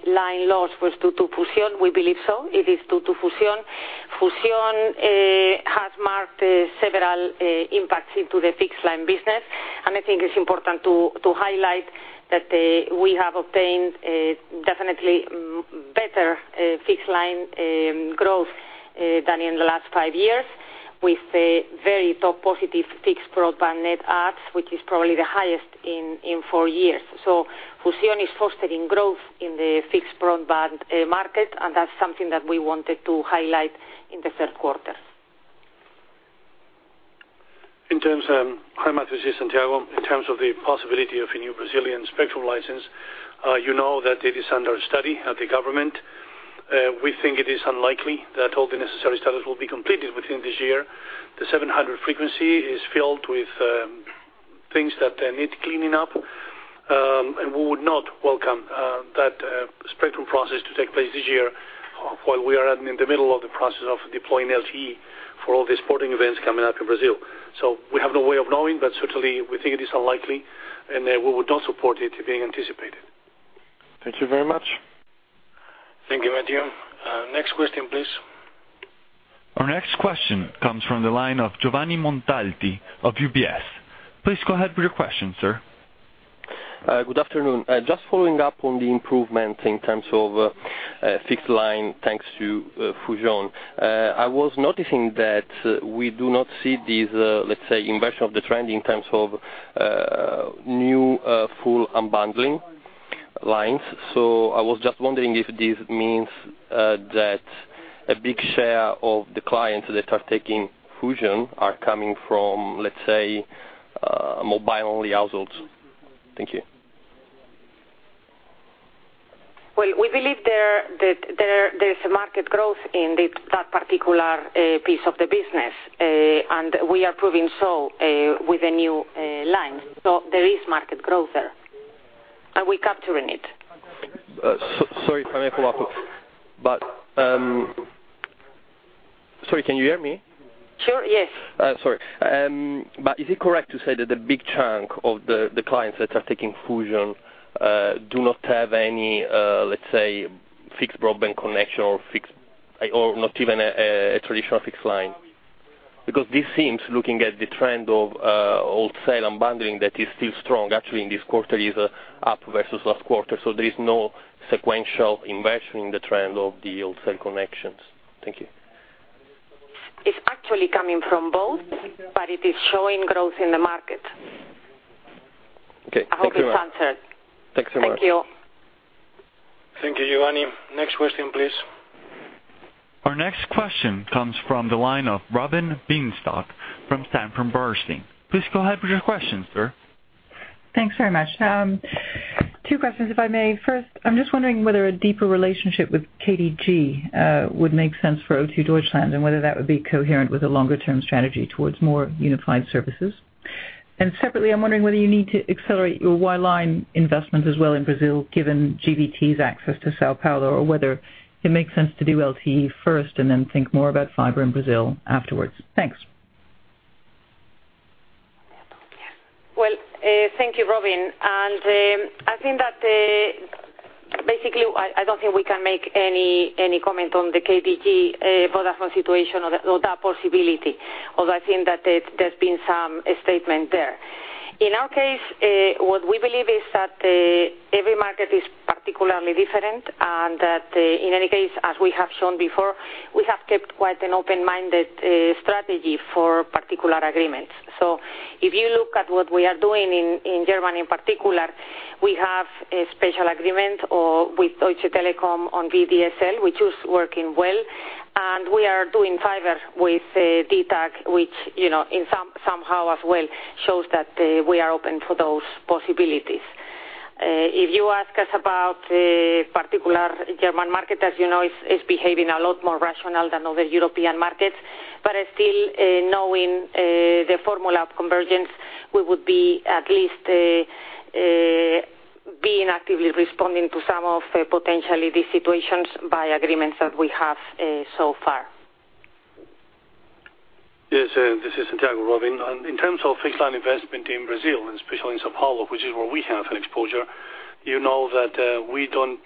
line loss was due to Fusión, we believe so. It is due to Fusión. Fusión has marked several impacts into the fixed line business, and I think it's important to highlight that we have obtained definitely better fixed line growth than in the last five years with a very top positive fixed broadband net adds, which is probably the highest in four years. Fusión is fostering growth in the fixed broadband market, and that's something that we wanted to highlight in the third quarter.
Hi, Mathieu, this is Santiago. In terms of the possibility of a new Brazilian spectral license, you know that it is under study at the government. We think it is unlikely that all the necessary studies will be completed within this year. The 700 frequency is filled with things that need cleaning up, and we would not welcome that spectrum process to take place this year while we are in the middle of the process of deploying LTE for all the sporting events coming up in Brazil. We have no way of knowing, but certainly, we think it is unlikely, and we would not support it being anticipated.
Thank you very much.
Thank you, Mathieu. Next question, please.
Our next question comes from the line of Giovanni Montalti of UBS. Please go ahead with your question, sir.
Good afternoon. Just following up on the improvement in terms of fixed line, thanks to Fusión. I was noticing that we do not see these, let's say, inversion of the trend in terms of new full unbundling lines. I was just wondering if this means that a big share of the clients that are taking Fusión are coming from, let's say, mobile-only households. Thank you.
Well, we believe there is a market growth in that particular piece of the business, and we are proving so with the new lines. There is market growth there, and we're capturing it.
Sorry if I may follow up, Sorry, can you hear me?
Sure, yes.
Sorry. Is it correct to say that the big chunk of the clients that are taking Fusión do not have any, let's say, fixed broadband connection or not even a traditional fixed line? This seems, looking at the trend of wholesale unbundling, that is still strong. Actually, in this quarter, it is up versus last quarter, there is no sequential inversion in the trend of the wholesale connections. Thank you.
It's actually coming from both, it is showing growth in the market.
Okay. Thank you very much.
I hope it's answered.
Thanks sThank you.
Thank you, Giovanni. Next question, please.
Our next question comes from the line of Robin Bienenstock from Sanford Bernstein. Please go ahead with your question, sir.
Thanks very much. Two questions, if I may. First, I'm just wondering whether a deeper relationship with KDG would make sense for O2 Deutschland and whether that would be coherent with a longer-term strategy towards more unified services. Separately, I'm wondering whether you need to accelerate your wireline investment as well in Brazil, given GVT's access to São Paulo, or whether it makes sense to do LTE first and then think more about fiber in Brazil afterwards. Thanks.
Well, thank you, Robin. Basically, I don't think we can make any comment on the KDG Vodafone situation or that possibility, although I think that there's been some statement there. In our case, what we believe is that every market is particularly different, that in any case, as we have shown before, we have kept quite an open-minded strategy for particular agreements. If you look at what we are doing in Germany in particular, we have a special agreement with Deutsche Telekom on VDSL, which is working well, and we are doing fiber with dtac, which somehow as well shows that we are open to those possibilities. If you ask us about particular German market, as you know, it's behaving a lot more rational than other European markets, but still, knowing the formula of convergence, we would be at least being actively responding to some of potentially these situations by agreements that we have so far.
Yes, this is Santiago, Robin. In terms of fixed line investment in Brazil, and especially in São Paulo, which is where we have an exposure, you know that we don't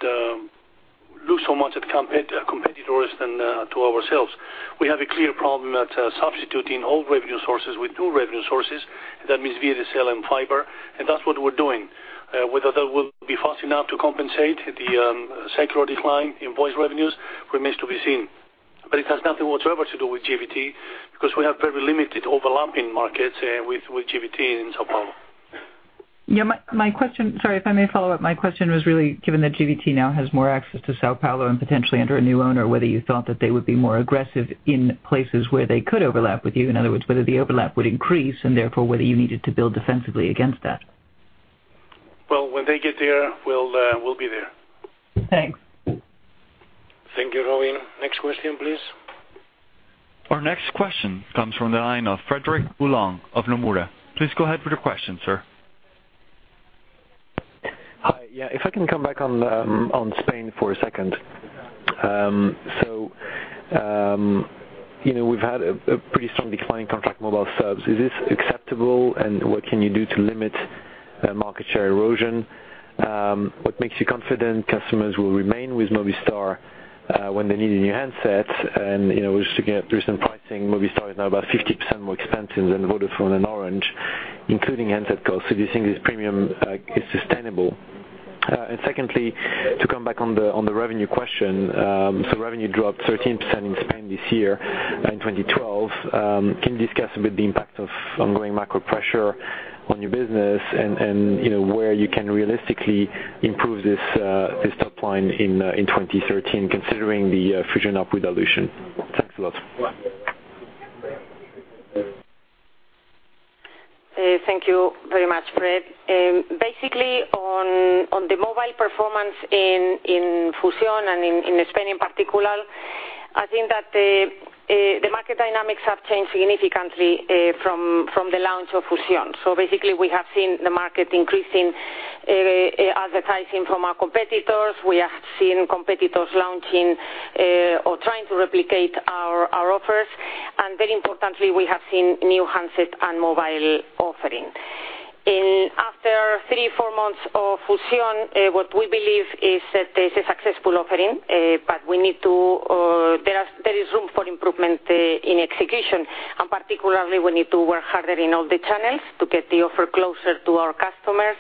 lose so much at competitors than to ourselves. We have a clear problem that substituting old revenue sources with new revenue sources, that means VDSL and fiber, and that's what we're doing. Whether that will be fast enough to compensate the secular decline in voice revenues remains to be seen. It has nothing whatsoever to do with GVT, because we have very limited overlapping markets with GVT in São Paulo.
Sorry, if I may follow up, my question was really given that GVT now has more access to São Paulo and potentially under a new owner, whether you thought that they would be more aggressive in places where they could overlap with you, in other words, whether the overlap would increase and therefore whether you needed to build defensively against that.
Well, when they get there, we'll be there.
Thanks.
Thank you, Robin. Next question, please.
Our next question comes from the line of Frederic Boulan of Nomura. Please go ahead with your question, sir.
Hi. Yeah, if I can come back on Spain for a second. We've had a pretty strong decline in contract mobile subs. Is this acceptable, and what can you do to limit market share erosion? What makes you confident customers will remain with Movistar when they need a new handset? Just looking at recent pricing, Movistar is now about 50% more expensive than Vodafone and Orange, including handset costs. Do you think this premium is sustainable? Secondly, to come back on the revenue question. Revenue dropped 13% in Spain this year in 2012. Can you discuss a bit the impact of ongoing macro pressure on your business and where you can realistically improve this top line in 2013, considering the Fusión up with dilution? Thanks a lot.
Thank you very much, Fred. Basically, on the mobile performance in Fusión and in Spain in particular, I think that the market dynamics have changed significantly from the launch of Fusión. We have seen the market increasing advertising from our competitors. We have seen competitors launching or trying to replicate our offers. Very importantly, we have seen new handset and mobile offering. After three, four months of Fusión, what we believe is that there's a successful offering, but there is room for improvement in execution. Particularly, we need to work harder in all the channels to get the offer closer to our customers.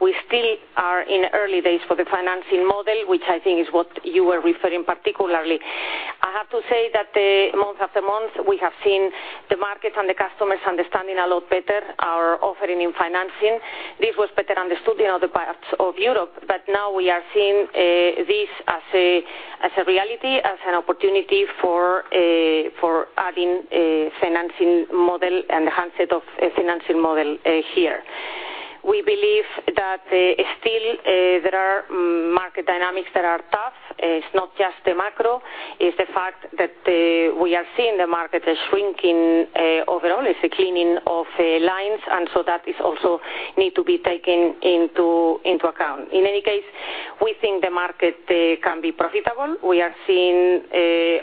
We still are in early days for the financing model, which I think is what you were referring particularly. I have to say that month after month, we have seen the market and the customers understanding a lot better our offering in financing. This was better understood in other parts of Europe. Now we are seeing this as a reality, as an opportunity for adding a financing model and the handset of a financing model here. We believe that still there are market dynamics that are tough. It's not just the macro, it's the fact that we are seeing the market is shrinking overall. It's a cleaning of lines. That also needs to be taken into account. In any case, we think the market can be profitable. We are seeing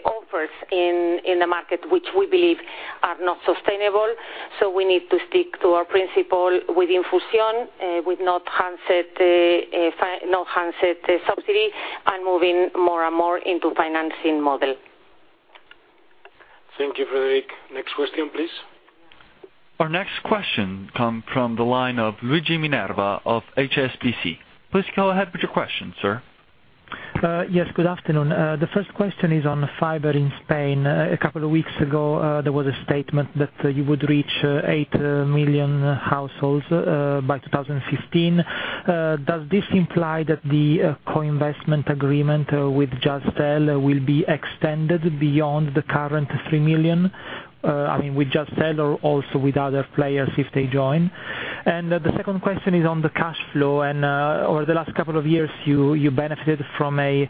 offers in the market which we believe are not sustainable. We need to stick to our principle within Fusión, with no handset subsidy, and moving more and more into financing model.
Thank you, Frederic. Next question, please.
Our next question come from the line of Luigi Minerva of HSBC. Please go ahead with your question, sir.
Yes, good afternoon. The first question is on fiber in Spain. A couple of weeks ago, there was a statement that you would reach 8 million households by 2015. Does this imply that the co-investment agreement with Jazztel will be extended beyond the current 3 million? I mean, with Jazztel or also with other players if they join. The second question is on the cash flow. Over the last couple of years, you benefited from a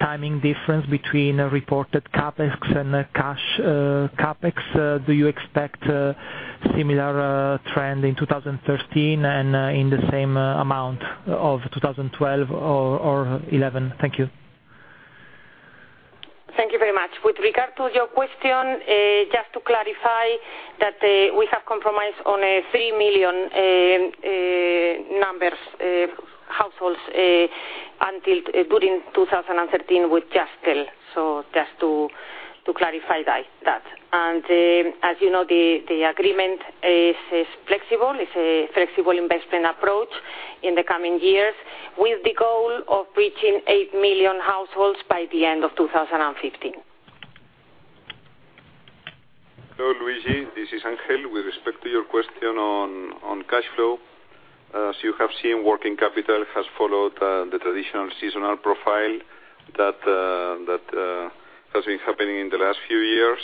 timing difference between reported CapEx and cash CapEx. Do you expect similar trend in 2013 and in the same amount of 2012 or 2011? Thank you.
Thank you very much. With regard to your question, just to clarify that we have compromised on a 3 million households during 2013 with Jazztel. Just to clarify that. As you know the agreement is flexible. It's a flexible investment approach in the coming years with the goal of reaching 8 million households by the end of 2015.
Hello, Luigi, this is Ángel. With respect to your question on cash flow, as you have seen, working capital has followed the traditional seasonal profile that has been happening in the last few years.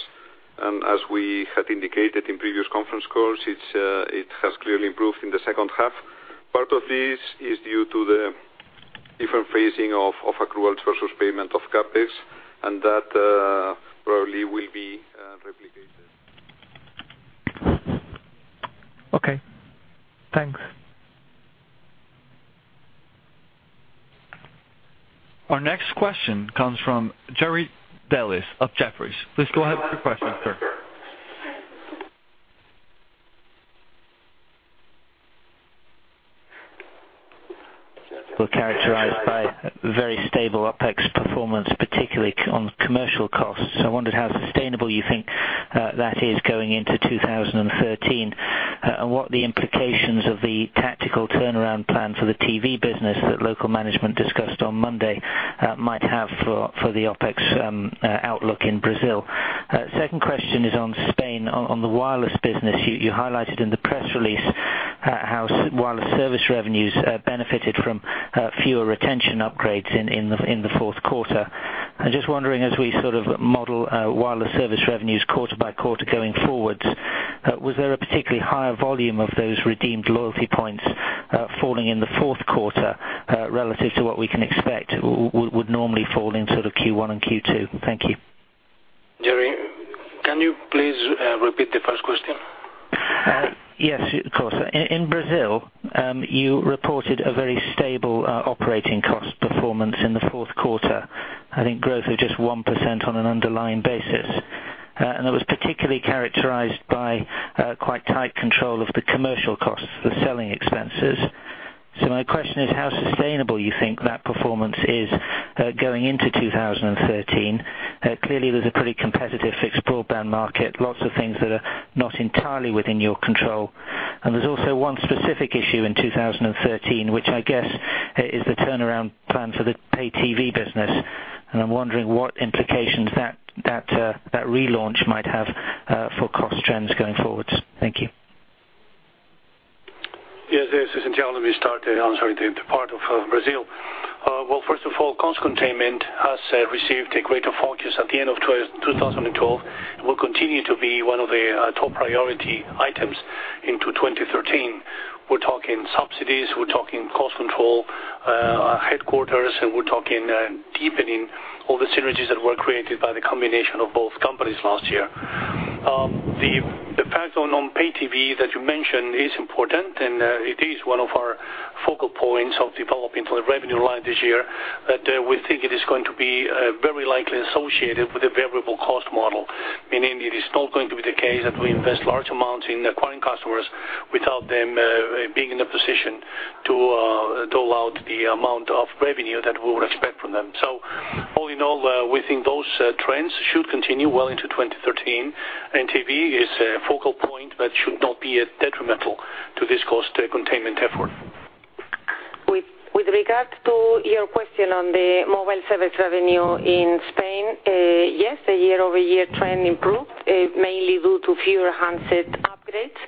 As we had indicated in previous conference calls, it has clearly improved in the second half. Part of this is due to the different phasing of accruals versus payment of CapEx, and that probably will be replicated.
Okay, thanks.
Our next question comes from Jerry Dellis of Jefferies. Please go ahead with your question, sir.
We're characterized by very stable OpEx performance, particularly on commercial costs. I wondered how sustainable you think that is going into 2013, and what the implications of the tactical turnaround plan for the TV business that local management discussed on Monday might have for the OpEx outlook in Brazil. Second question is on Spain. On the wireless business, you highlighted in the press release how wireless service revenues benefited from fewer retention upgrades in the fourth quarter. I'm just wondering, as we model wireless service revenues quarter by quarter going forward, was there a particularly higher volume of those redeemed loyalty points falling in the fourth quarter, relative to what we can expect would normally fall into the Q1 and Q2? Thank you.
Jerry, can you please repeat the first question?
Yes, of course. In Brazil, you reported a very stable operating cost performance in the fourth quarter. I think growth of just 1% on an underlying basis. That was particularly characterized by quite tight control of the commercial costs, the selling expenses. My question is how sustainable you think that performance is going into 2013. Clearly, there's a pretty competitive fixed broadband market, lots of things that are not entirely within your control. There's also one specific issue in 2013, which I guess is the turnaround plan for the pay TV business. I'm wondering what implications that relaunch might have for cost trends going forward. Thank you.
Yes. Let me start answering the part of Brazil. Well, first of all, cost containment has received a greater focus at the end of 2012, will continue to be one of the top priority items into 2013. We're talking subsidies, we're talking cost control, headquarters, we're talking deepening all the synergies that were created by the combination of both companies last year. The fact on pay TV that you mentioned is important, it is one of our focal points of developing for the revenue line this year, that we think it is going to be very likely associated with a variable cost model. Meaning it is not going to be the case that we invest large amounts in acquiring customers without them being in a position to dole out the amount of revenue that we would expect from them. All in all, we think those trends should continue well into 2013. TV is a focal point that should not be detrimental to this cost containment effort.
With regard to your question on the mobile service revenue in Spain. Yes, the year-over-year trend improved, mainly due to fewer handset upgrades.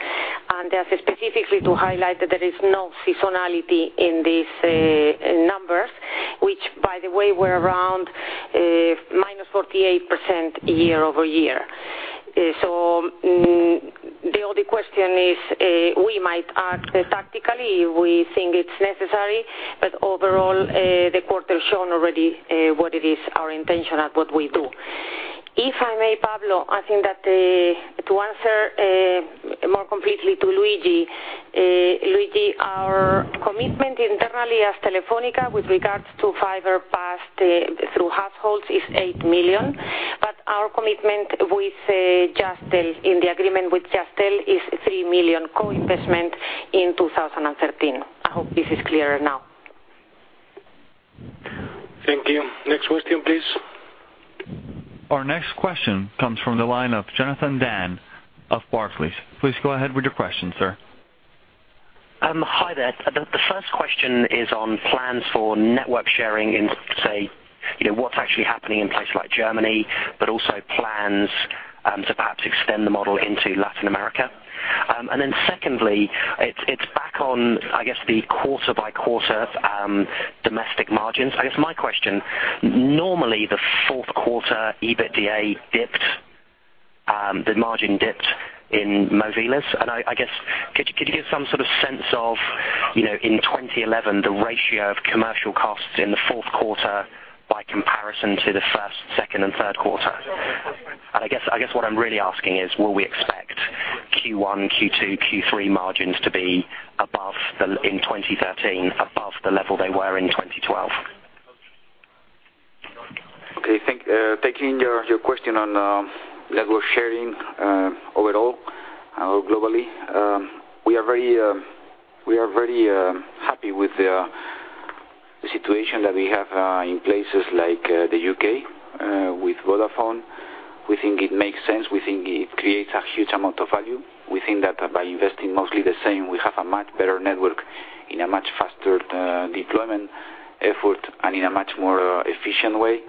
Specifically to highlight that there is no seasonality in these numbers, which, by the way, were around minus 48% year-over-year. The only question is, we might act tactically, we think it's necessary. Overall, the quarter shown already what it is our intention at what we do. If I may, Pablo, I think that to answer more completely to Luigi. Luigi, our commitment internally as Telefónica with regards to fiber passed through households is 8 million. Our commitment in the agreement with Jazztel is 3 million co-investment in 2013. I hope this is clearer now.
Thank you. Next question, please.
Our next question comes from the line of Jonathan Dann of Barclays. Please go ahead with your question, sir.
Hi there. The first question is on plans for network sharing in, say, what's actually happening in places like Germany, but also plans to perhaps extend the model into Latin America. Secondly, it's back on, I guess, the quarter-by-quarter domestic margins. I guess my question, normally the fourth quarter EBITDA dipped, the margin dipped in Móviles, could you give some sort of sense of, in 2011, the ratio of commercial costs in the fourth quarter by comparison to the first, second and third quarter? I guess what I'm really asking is, will we expect Q1, Q2, Q3 margins to be, in 2013, above the level they were in 2012?
Okay. Taking your question on network sharing overall, globally. We are very happy with the situation that we have in places like the U.K. with Vodafone. We think it makes sense. We think it creates a huge amount of value. We think that by investing mostly the same, we have a much better network in a much faster deployment effort and in a much more efficient way.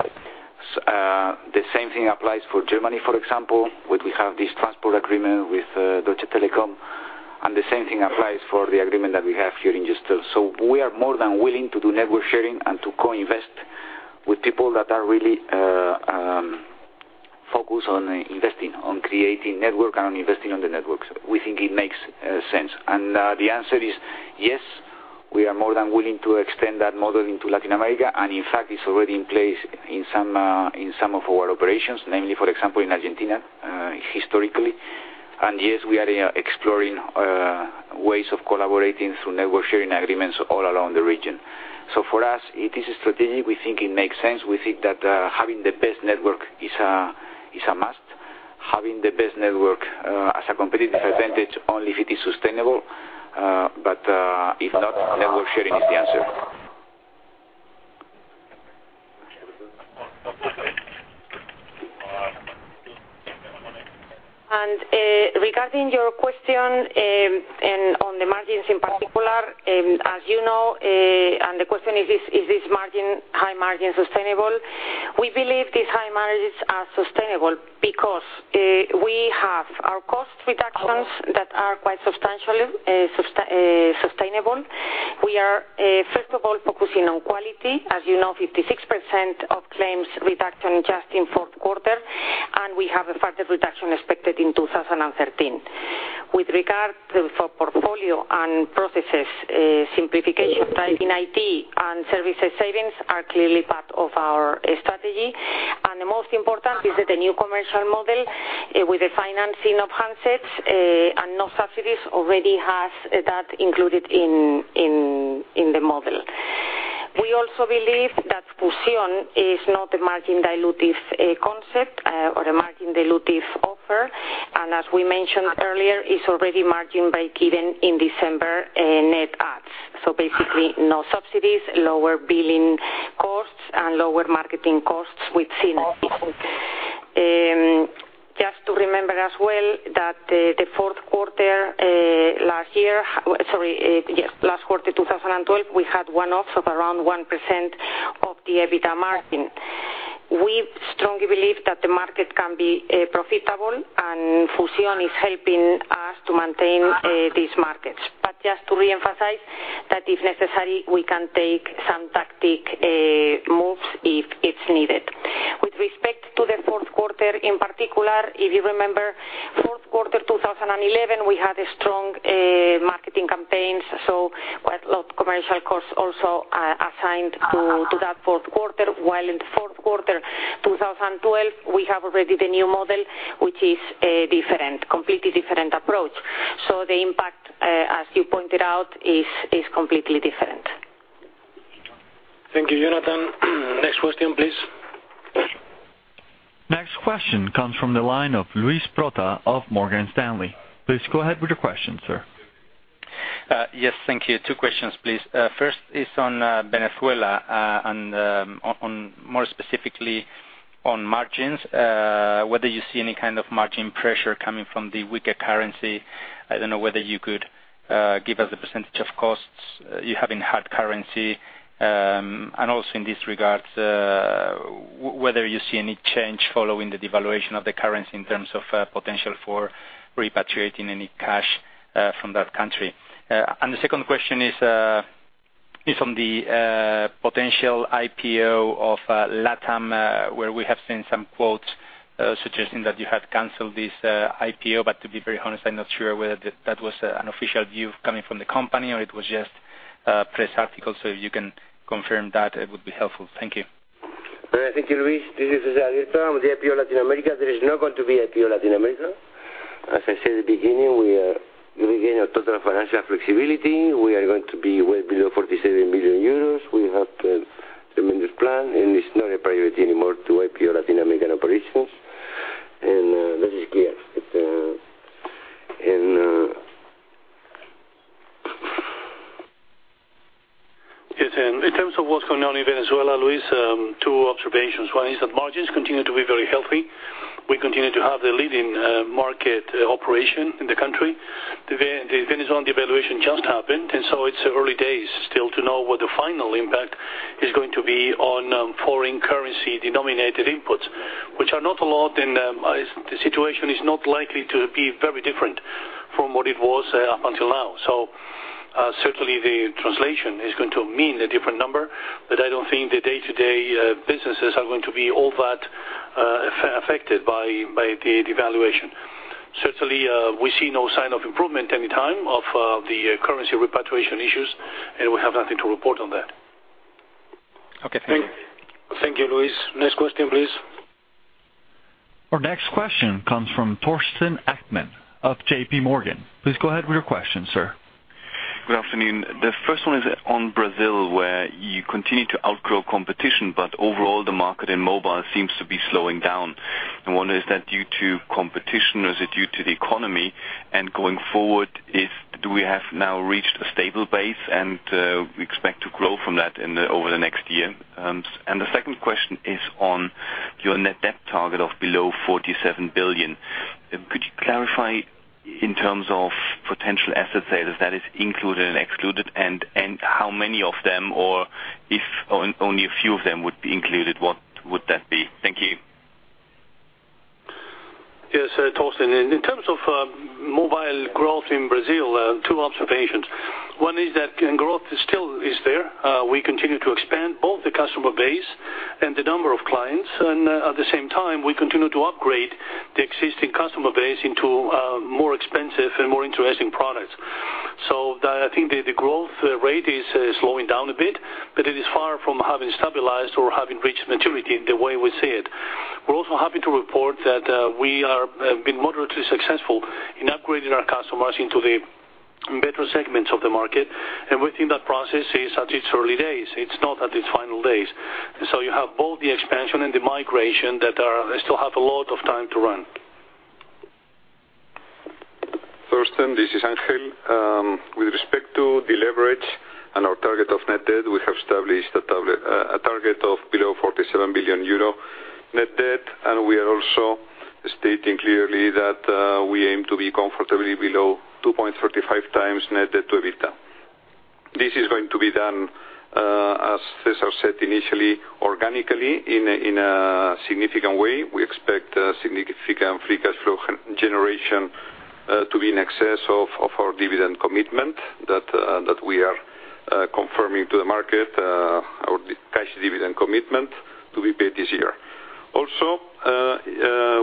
The same thing applies for Germany, for example, where we have this transport agreement with Deutsche Telekom, the same thing applies for the agreement that we have here in Jazztel. We are more than willing to do network sharing and to co-invest with people that are really focused on creating network and on investing on the networks. We think it makes sense. The answer is, yes, we are more than willing to extend that model into Latin America, in fact, it's already in place in some of our operations. Namely, for example, in Argentina, historically. Yes, we are exploring ways of collaborating through network sharing agreements all around the region. For us, it is strategic. We think it makes sense. We think that having the best network is a must. Having the best network as a competitive advantage only if it is sustainable. If not, network sharing is the answer.
Regarding your question on the margins in particular. As you know, and the question, is this high margin sustainable? We believe these high margins are sustainable because we have our cost reductions that are quite substantially sustainable. We are, first of all, focusing on quality. As you know, 56% of claims reduction just in fourth quarter, and we have a further reduction expected in 2013. With regard for portfolio and processes, simplification in IT and services savings are clearly part of our strategy. The most important is that the new commercial model with the financing of handsets and no subsidies already has that included in the model. We also believe that Fusión is not a margin dilutive concept or a margin dilutive offer. As we mentioned earlier, it's already margin break-even in December net adds. Basically, no subsidies, lower billing costs, and lower marketing costs with SIM-only. Just to remember as well that the fourth quarter 2012, we had one-offs of around 1% of the EBITDA margin. We strongly believe that the market can be profitable, and Fusión is helping us to maintain these markets. Just to reemphasize, that if necessary, we can take some tactic moves if it's needed. With respect to the fourth quarter, in particular, if you remember, fourth quarter 2011, we had strong marketing campaigns. Quite a lot commercial costs also assigned to that fourth quarter. While in the fourth quarter 2012, we have already the new model, which is a completely different approach. The impact, as you pointed out, is completely different.
Thank you, Jonathan. Next question, please.
Next question comes from the line of Luis Prota of Morgan Stanley. Please go ahead with your question, sir.
Yes, thank you. Two questions, please. First is on Venezuela, and more specifically on margins, whether you see any kind of margin pressure coming from the weaker currency. I don't know whether you could give us a percentage of costs you have in hard currency. Also in this regard, whether you see any change following the devaluation of the currency in terms of potential for repatriating any cash from that country. The second question is on the potential IPO of LatAm, where we have seen some quotes suggesting that you had canceled this IPO. To be very honest, I'm not sure whether that was an official view coming from the company, or it was just a press article. If you can confirm that, it would be helpful. Thank you.
Thank you, Luis. This is Alierta. On the IPO LatAm, there is not going to be IPO LatAm. As I said at the beginning, we are gaining a total financial flexibility. We are going to be well below 47 billion euros. We have tremendous plan, it's not a priority anymore to IPO LatAm operations. That is clear.
Yes. In terms of what's going on in Venezuela, Luis, two observations. One is that margins continue to be very healthy. We continue to have the leading market operation in the country. The Venezuelan devaluation just happened, it's early days still to know what the final impact is going to be on foreign currency denominated inputs, which are not a lot, and the situation is not likely to be very different from what it was up until now. Certainly, the translation is going to mean a different number, but I don't think the day-to-day businesses are going to be all that affected by the devaluation. Certainly, we see no sign of improvement anytime of the currency repatriation issues, we have nothing to report on that.
Okay, thank you.
Thank you, Luis. Next question, please.
Our next question comes from Torsten Achtmann of JP Morgan. Please go ahead with your question, sir.
Good afternoon. The first one is on Brazil, where you continue to outgrow competition, overall, the market in mobile seems to be slowing down. I wonder, is that due to competition, or is it due to the economy? Going forward, do we have now reached a stable base and we expect to grow from that over the next year? The second question is on your net debt target of below 47 billion. Could you clarify in terms of potential asset sales that is included and excluded, and how many of them, or if only a few of them would be included, what would that be? Thank you.
Yes, Torsten. In terms of mobile growth in Brazil, two observations. One is that growth still is there. We continue to expand both the customer base and the number of clients, at the same time, we continue to upgrade the existing customer base into more expensive and more interesting products. I think the growth rate is slowing down a bit, but it is far from having stabilized or having reached maturity the way we see it. We are also happy to report that we have been moderately successful in upgrading our customers into the better segments of the market, we think that process is at its early days. It is not at its final days. You have both the expansion and the migration that still have a lot of time to run.
Torsten, this is Ángel. With respect to the leverage and our target of net debt, we have established a target of below 47 billion euro net debt, and we are also stating clearly that we aim to be comfortably below 2.35 times net debt to EBITDA. This is going to be done, as César said initially, organically in a significant way. We expect significant free cash flow generation to be in excess of our dividend commitment that we are confirming to the market, our cash dividend commitment to be paid this year. Also,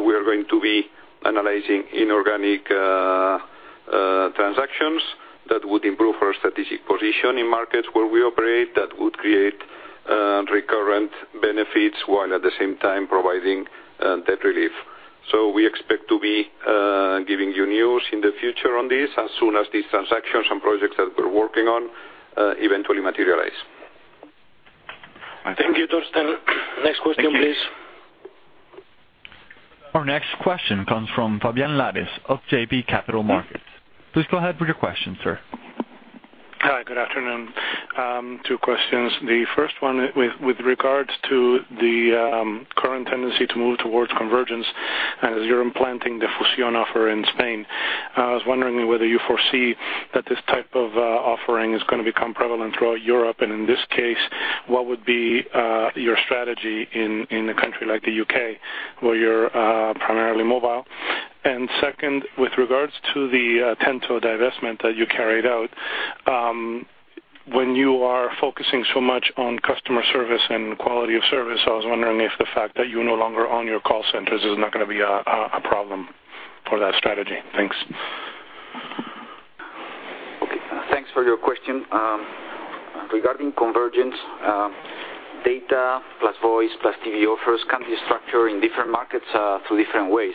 we are going to be analyzing inorganic transactions that would improve our strategic position in markets where we operate that would create recurrent benefits while at the same time providing debt relief. We expect to be giving you news in the future on this as soon as these transactions and projects that we're working on eventually materialize.
Thank you, Torsten. Next question, please.
Our next question comes from Fabián Lares of JB Capital Markets. Please go ahead with your question, sir.
Hi, good afternoon. Two questions. The first one with regards to the current tendency to move towards convergence, and as you're implanting the Fusión offer in Spain, I was wondering whether you foresee that this type of offering is going to become prevalent throughout Europe, and in this case, what would be your strategy in a country like the U.K., where you're primarily mobile? Second, with regards to the Atento divestment that you carried out, when you are focusing so much on customer service and quality of service, I was wondering if the fact that you no longer own your call centers is not going to be a problem for that strategy. Thanks.
Okay. Thanks for your question. Regarding convergence, data plus voice plus TV offers can be structured in different markets through different ways.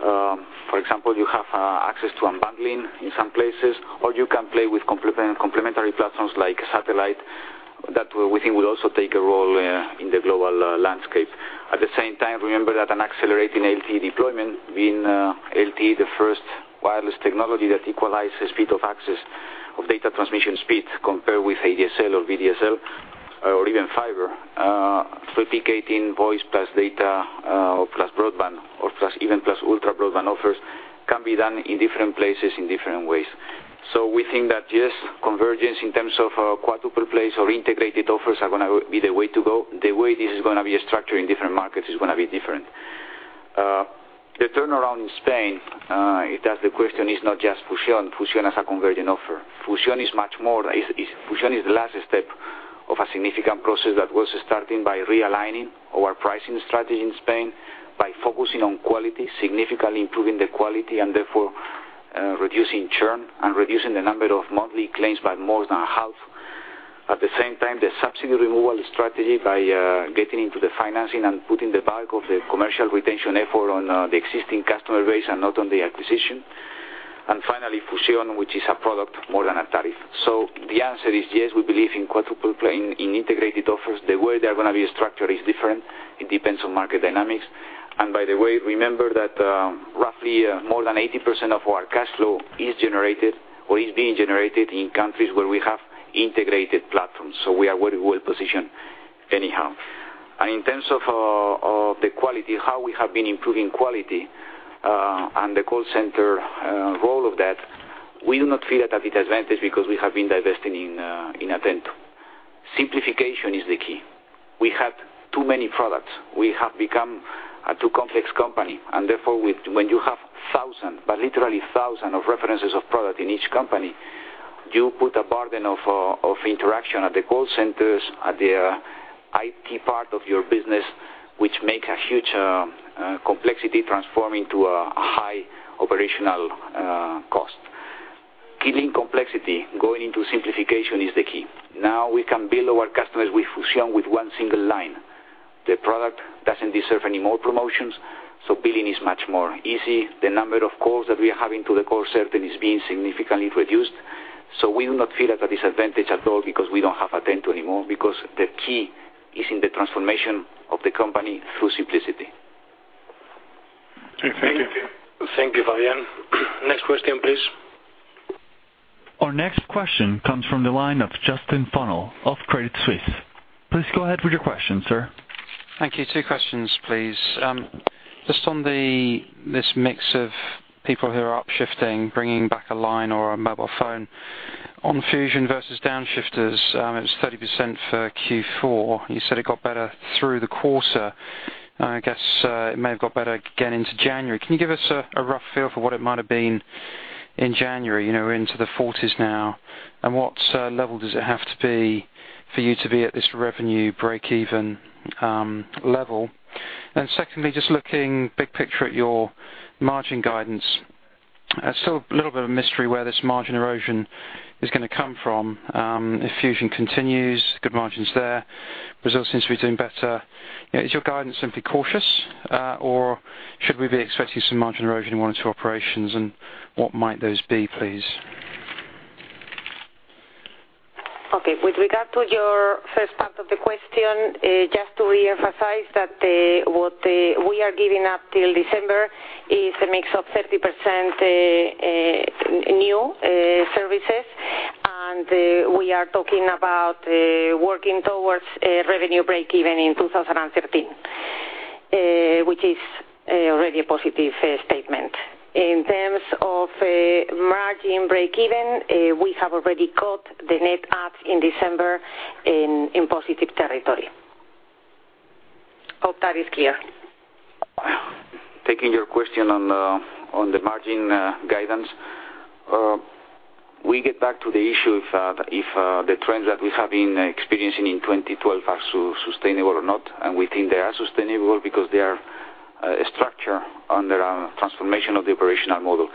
For example, you have access to unbundling in some places, or you can play with complementary platforms like satellite that we think will also take a role in the global landscape. At the same time, remember that an accelerating LTE deployment, being LTE the first wireless technology that equalizes speed of access of data transmission speed compared with ADSL or VDSL or even fiber, triplicating voice plus data plus broadband or even plus ultra broadband offers can be done in different places in different ways. We think that, yes, convergence in terms of quadruple plays or integrated offers are going to be the way to go. The way this is going to be structured in different markets is going to be different. The turnaround in Spain, if that's the question, is not just Fusión. Fusión is a convergent offer. Fusión is much more. Fusión is the last step of a significant process that was starting by realigning our pricing strategy in Spain by focusing on quality, significantly improving the quality, and therefore reducing churn and reducing the number of monthly claims by more than half. At the same time, the subsidy removal strategy by getting into the financing and putting the bulk of the commercial retention effort on the existing customer base and not on the acquisition. Finally, Fusión, which is a product more than a tariff. The answer is yes, we believe in quadruple play, in integrated offers. The way they're going to be structured is different. It depends on market dynamics. By the way, remember that roughly more than 80% of our cash flow is generated or is being generated in countries where we have integrated platforms. We are very well positioned anyhow. In terms of the quality, how we have been improving quality, and the call center role of that, we do not feel at a disadvantage because we have been divesting in Atento. Simplification is the key. We had too many products. We have become a too complex company, and therefore, when you have thousands, but literally thousands of references of product in each company, you put a burden of interaction at the call centers, at the IT part of your business, which make a huge complexity transforming to a high operational cost. Killing complexity, going into simplification is the key. Now we can bill our customers with Fusión with one single line. The product doesn't deserve any more promotions. Billing is much more easy. The number of calls that we are having to the call center is being significantly reduced. We do not feel at a disadvantage at all because we don't have Atento anymore, because the key is in the transformation of the company through simplicity.
Okay, thank you.
Thank you, Fabián. Next question, please.
Our next question comes from the line of Justin Funnell of Credit Suisse. Please go ahead with your question, sir.
Thank you. Two questions, please. Just on this mix of people who are up-shifting, bringing back a line or a mobile phone on Fusión versus down-shifters. It was 30% for Q4. You said it got better through the quarter, and I guess it may have got better again into January. Can you give us a rough feel for what it might have been in January? We're into the 40s now. What level does it have to be for you to be at this revenue breakeven level? Secondly, just looking big picture at your margin guidance. Still a little bit of a mystery where this margin erosion is going to come from. If Fusión continues, good margins there. Brazil seems to be doing better. Is your guidance simply cautious, or should we be expecting some margin erosion in one or two operations, and what might those be, please?
Okay. With regard to your first part of the question, just to reemphasize that what we are giving up till December is a mix of 30% new services, and we are talking about working towards a revenue breakeven in 2013, which is already a positive statement. In terms of margin breakeven, we have already got the net adds in December in positive territory. Hope that is clear.
Taking your question on the margin guidance. We get back to the issue if the trends that we have been experiencing in 2012 are sustainable or not. We think they are sustainable because they are structured under a transformation of the operational model.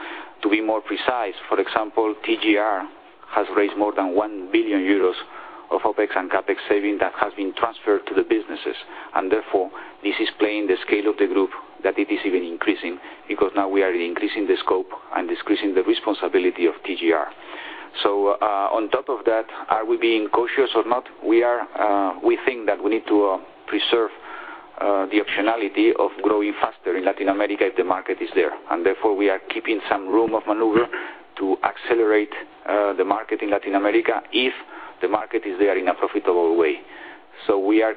To be more precise, for example, TGR has raised more than 1 billion euros of OpEx and CapEx saving that has been transferred to the businesses. Therefore, this is playing the scale of the group that it is even increasing, because now we are increasing the scope and decreasing the responsibility of TGR. On top of that, are we being cautious or not? We think that we need to preserve the optionality of growing faster in Latin America if the market is there. Therefore, we are keeping some room of maneuver to accelerate the market in Latin America if the market is there in a profitable way. We are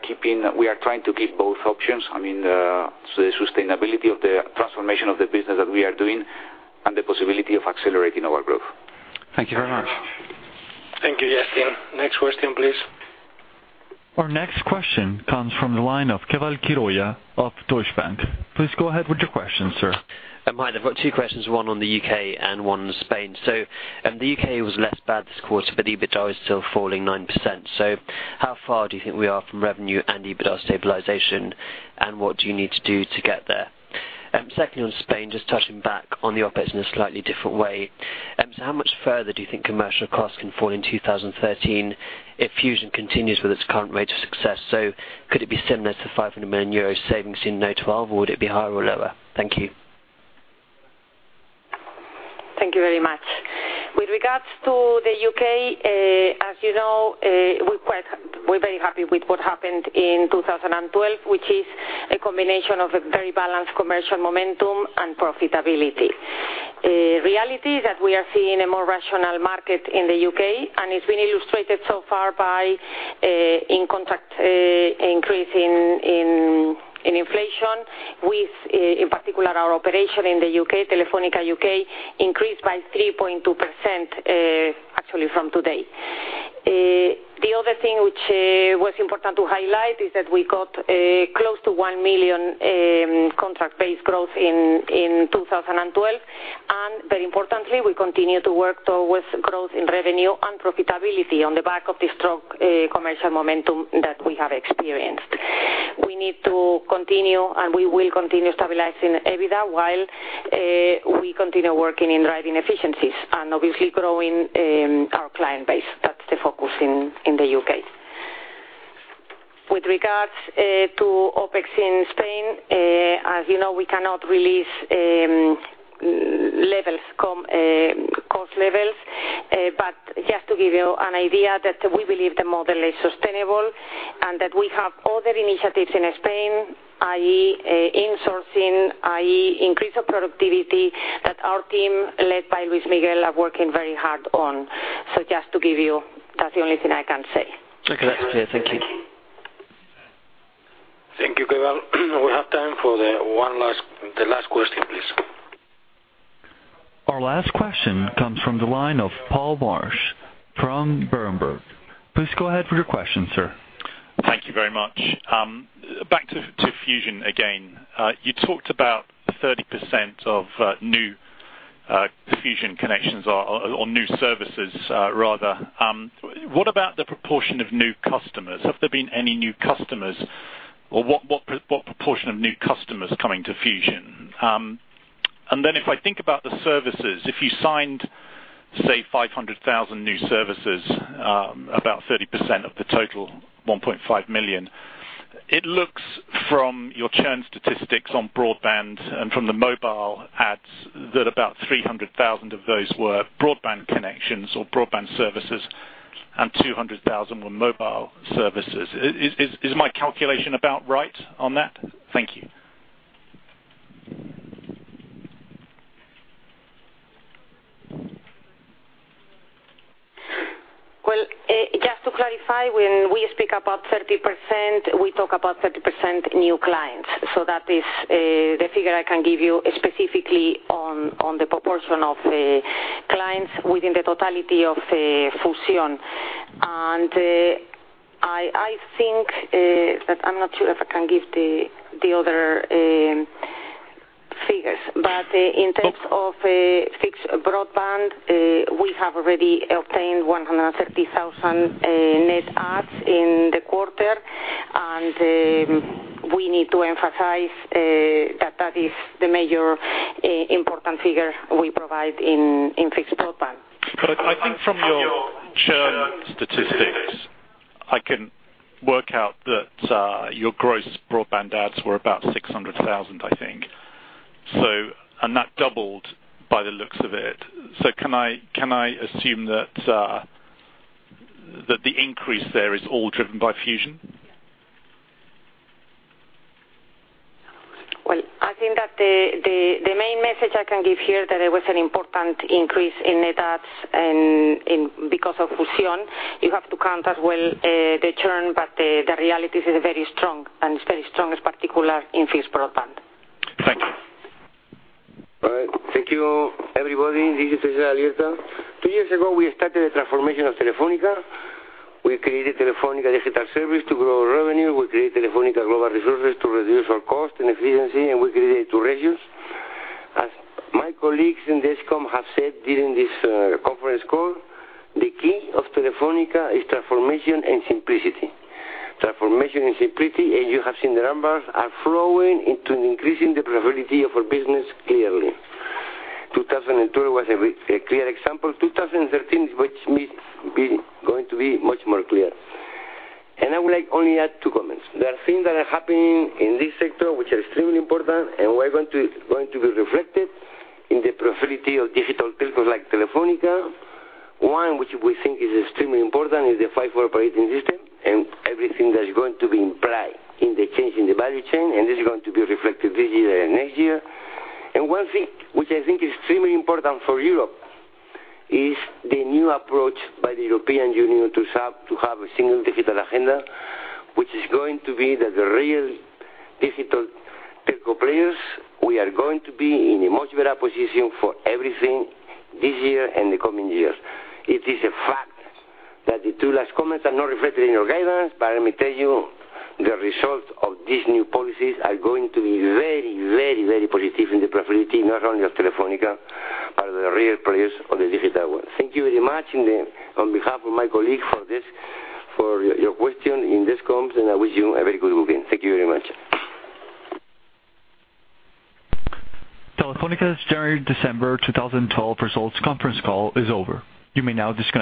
trying to keep both options. I mean, the sustainability of the transformation of the business that we are doing and the possibility of accelerating our growth.
Thank you very much.
Thank you, Justin. Next question, please.
Our next question comes from the line of Keval Khiroya of Deutsche Bank. Please go ahead with your question, sir.
Hi. I've got two questions, one on the U.K. and one on Spain. The U.K. was less bad this quarter, but EBITDA is still falling 9%. How far do you think we are from revenue and EBITDA stabilization, and what do you need to do to get there? Secondly, on Spain, just touching back on the OpEx in a slightly different way. How much further do you think commercial costs can fall in 2013 if Fusión continues with its current rate of success? Could it be similar to 500 million euros savings in 2012, or would it be higher or lower? Thank you.
Thank you very much. With regards to the U.K., as you know, we're very happy with what happened in 2012, which is a combination of a very balanced commercial momentum and profitability. Reality is that we are seeing a more rational market in the U.K., and it's been illustrated so far by in contract increase in inflation with, in particular, our operation in the U.K., Telefónica U.K., increased by 3.2%, actually from today. The other thing which was important to highlight is that we got close to 1 million contract base growth in 2012. Very importantly, we continue to work towards growth in revenue and profitability on the back of the strong commercial momentum that we have experienced. We need to continue, and we will continue stabilizing EBITDA while we continue working in driving efficiencies and obviously growing our client base. That's the focus in the U.K. With regards to OpEx in Spain, as you know, we cannot release cost levels. Just to give you an idea that we believe the model is sustainable and that we have other initiatives in Spain, i.e., insourcing, i.e., increase of productivity that our team, led by Luis Miguel, are working very hard on. Just to give you, that's the only thing I can say.
Okay, that's clear. Thank you.
Thank you, Keval. We have time for the last question, please.
Our last question comes from the line of Paul Marsch from Berenberg. Please go ahead with your question, sir.
Thank you very much. Back to Fusión again. You talked about 30% of new Fusión connections or new services, rather. What about the proportion of new customers? Have there been any new customers or what proportion of new customers coming to Fusión? If I think about the services, if you signed, say, 500,000 new services, about 30% of the total 1.5 million, it looks from your churn statistics on broadband and from the mobile adds that about 300,000 of those were broadband connections or broadband services and 200,000 were mobile services. Is my calculation about right on that? Thank you.
Well, just to clarify, when we speak about 30%, we talk about 30% new clients. That is the figure I can give you specifically on the proportion of the clients within the totality of Fusión. I think that I'm not sure if I can give the other figures, but in terms of fixed broadband, we have already obtained 130,000 net adds in the quarter, and we need to emphasize that that is the major important figure we provide in fixed broadband.
I think from your churn statistics, I can work out that your gross broadband adds were about 600,000, I think. That doubled by the looks of it. Can I assume that the increase there is all driven by Fusión?
Well, I think that the main message I can give here that there was an important increase in net adds because of Fusión, you have to count as well the churn, but the reality is very strong, and it's very strong, particular in fixed broadband.
Thank you.
All right. Thank you, everybody. This is César Alierta. Two years ago, we started a transformation of Telefónica. We created Telefónica Digital Services to grow revenue. We created Telefónica Global Resources to reduce our cost and efficiency, we created two regions. As my colleagues in Dexcom have said during this conference call, the key of Telefónica is transformation and simplicity. Transformation and simplicity, as you have seen the numbers, are flowing into increasing the profitability of our business clearly. 2002 was a very clear example. 2013, which is going to be much more clear. I would like only add two comments. There are things that are happening in this sector which are extremely important, were going to be reflected in the profitability of digital telcos like Telefónica. One, which we think is extremely important, is the 5G operating system and everything that is going to be implied in the change in the value chain, this is going to be reflected this year and next year. One thing which I think is extremely important for Europe is the new approach by the European Union to have a single digital agenda, which is going to be that the real digital telco players, we are going to be in a much better position for everything this year and the coming years. It is a fact that the two last comments are not reflected in your guidance, let me tell you, the results of these new policies are going to be very, very, very positive in the profitability, not only of Telefónica, but the real players on the digital world. Thank you very much, on behalf of my colleague for your question in Dexcom, I wish you a very good weekend. Thank you very much.
Telefónica's January, December 2012 results conference call is over. You may now disconnect.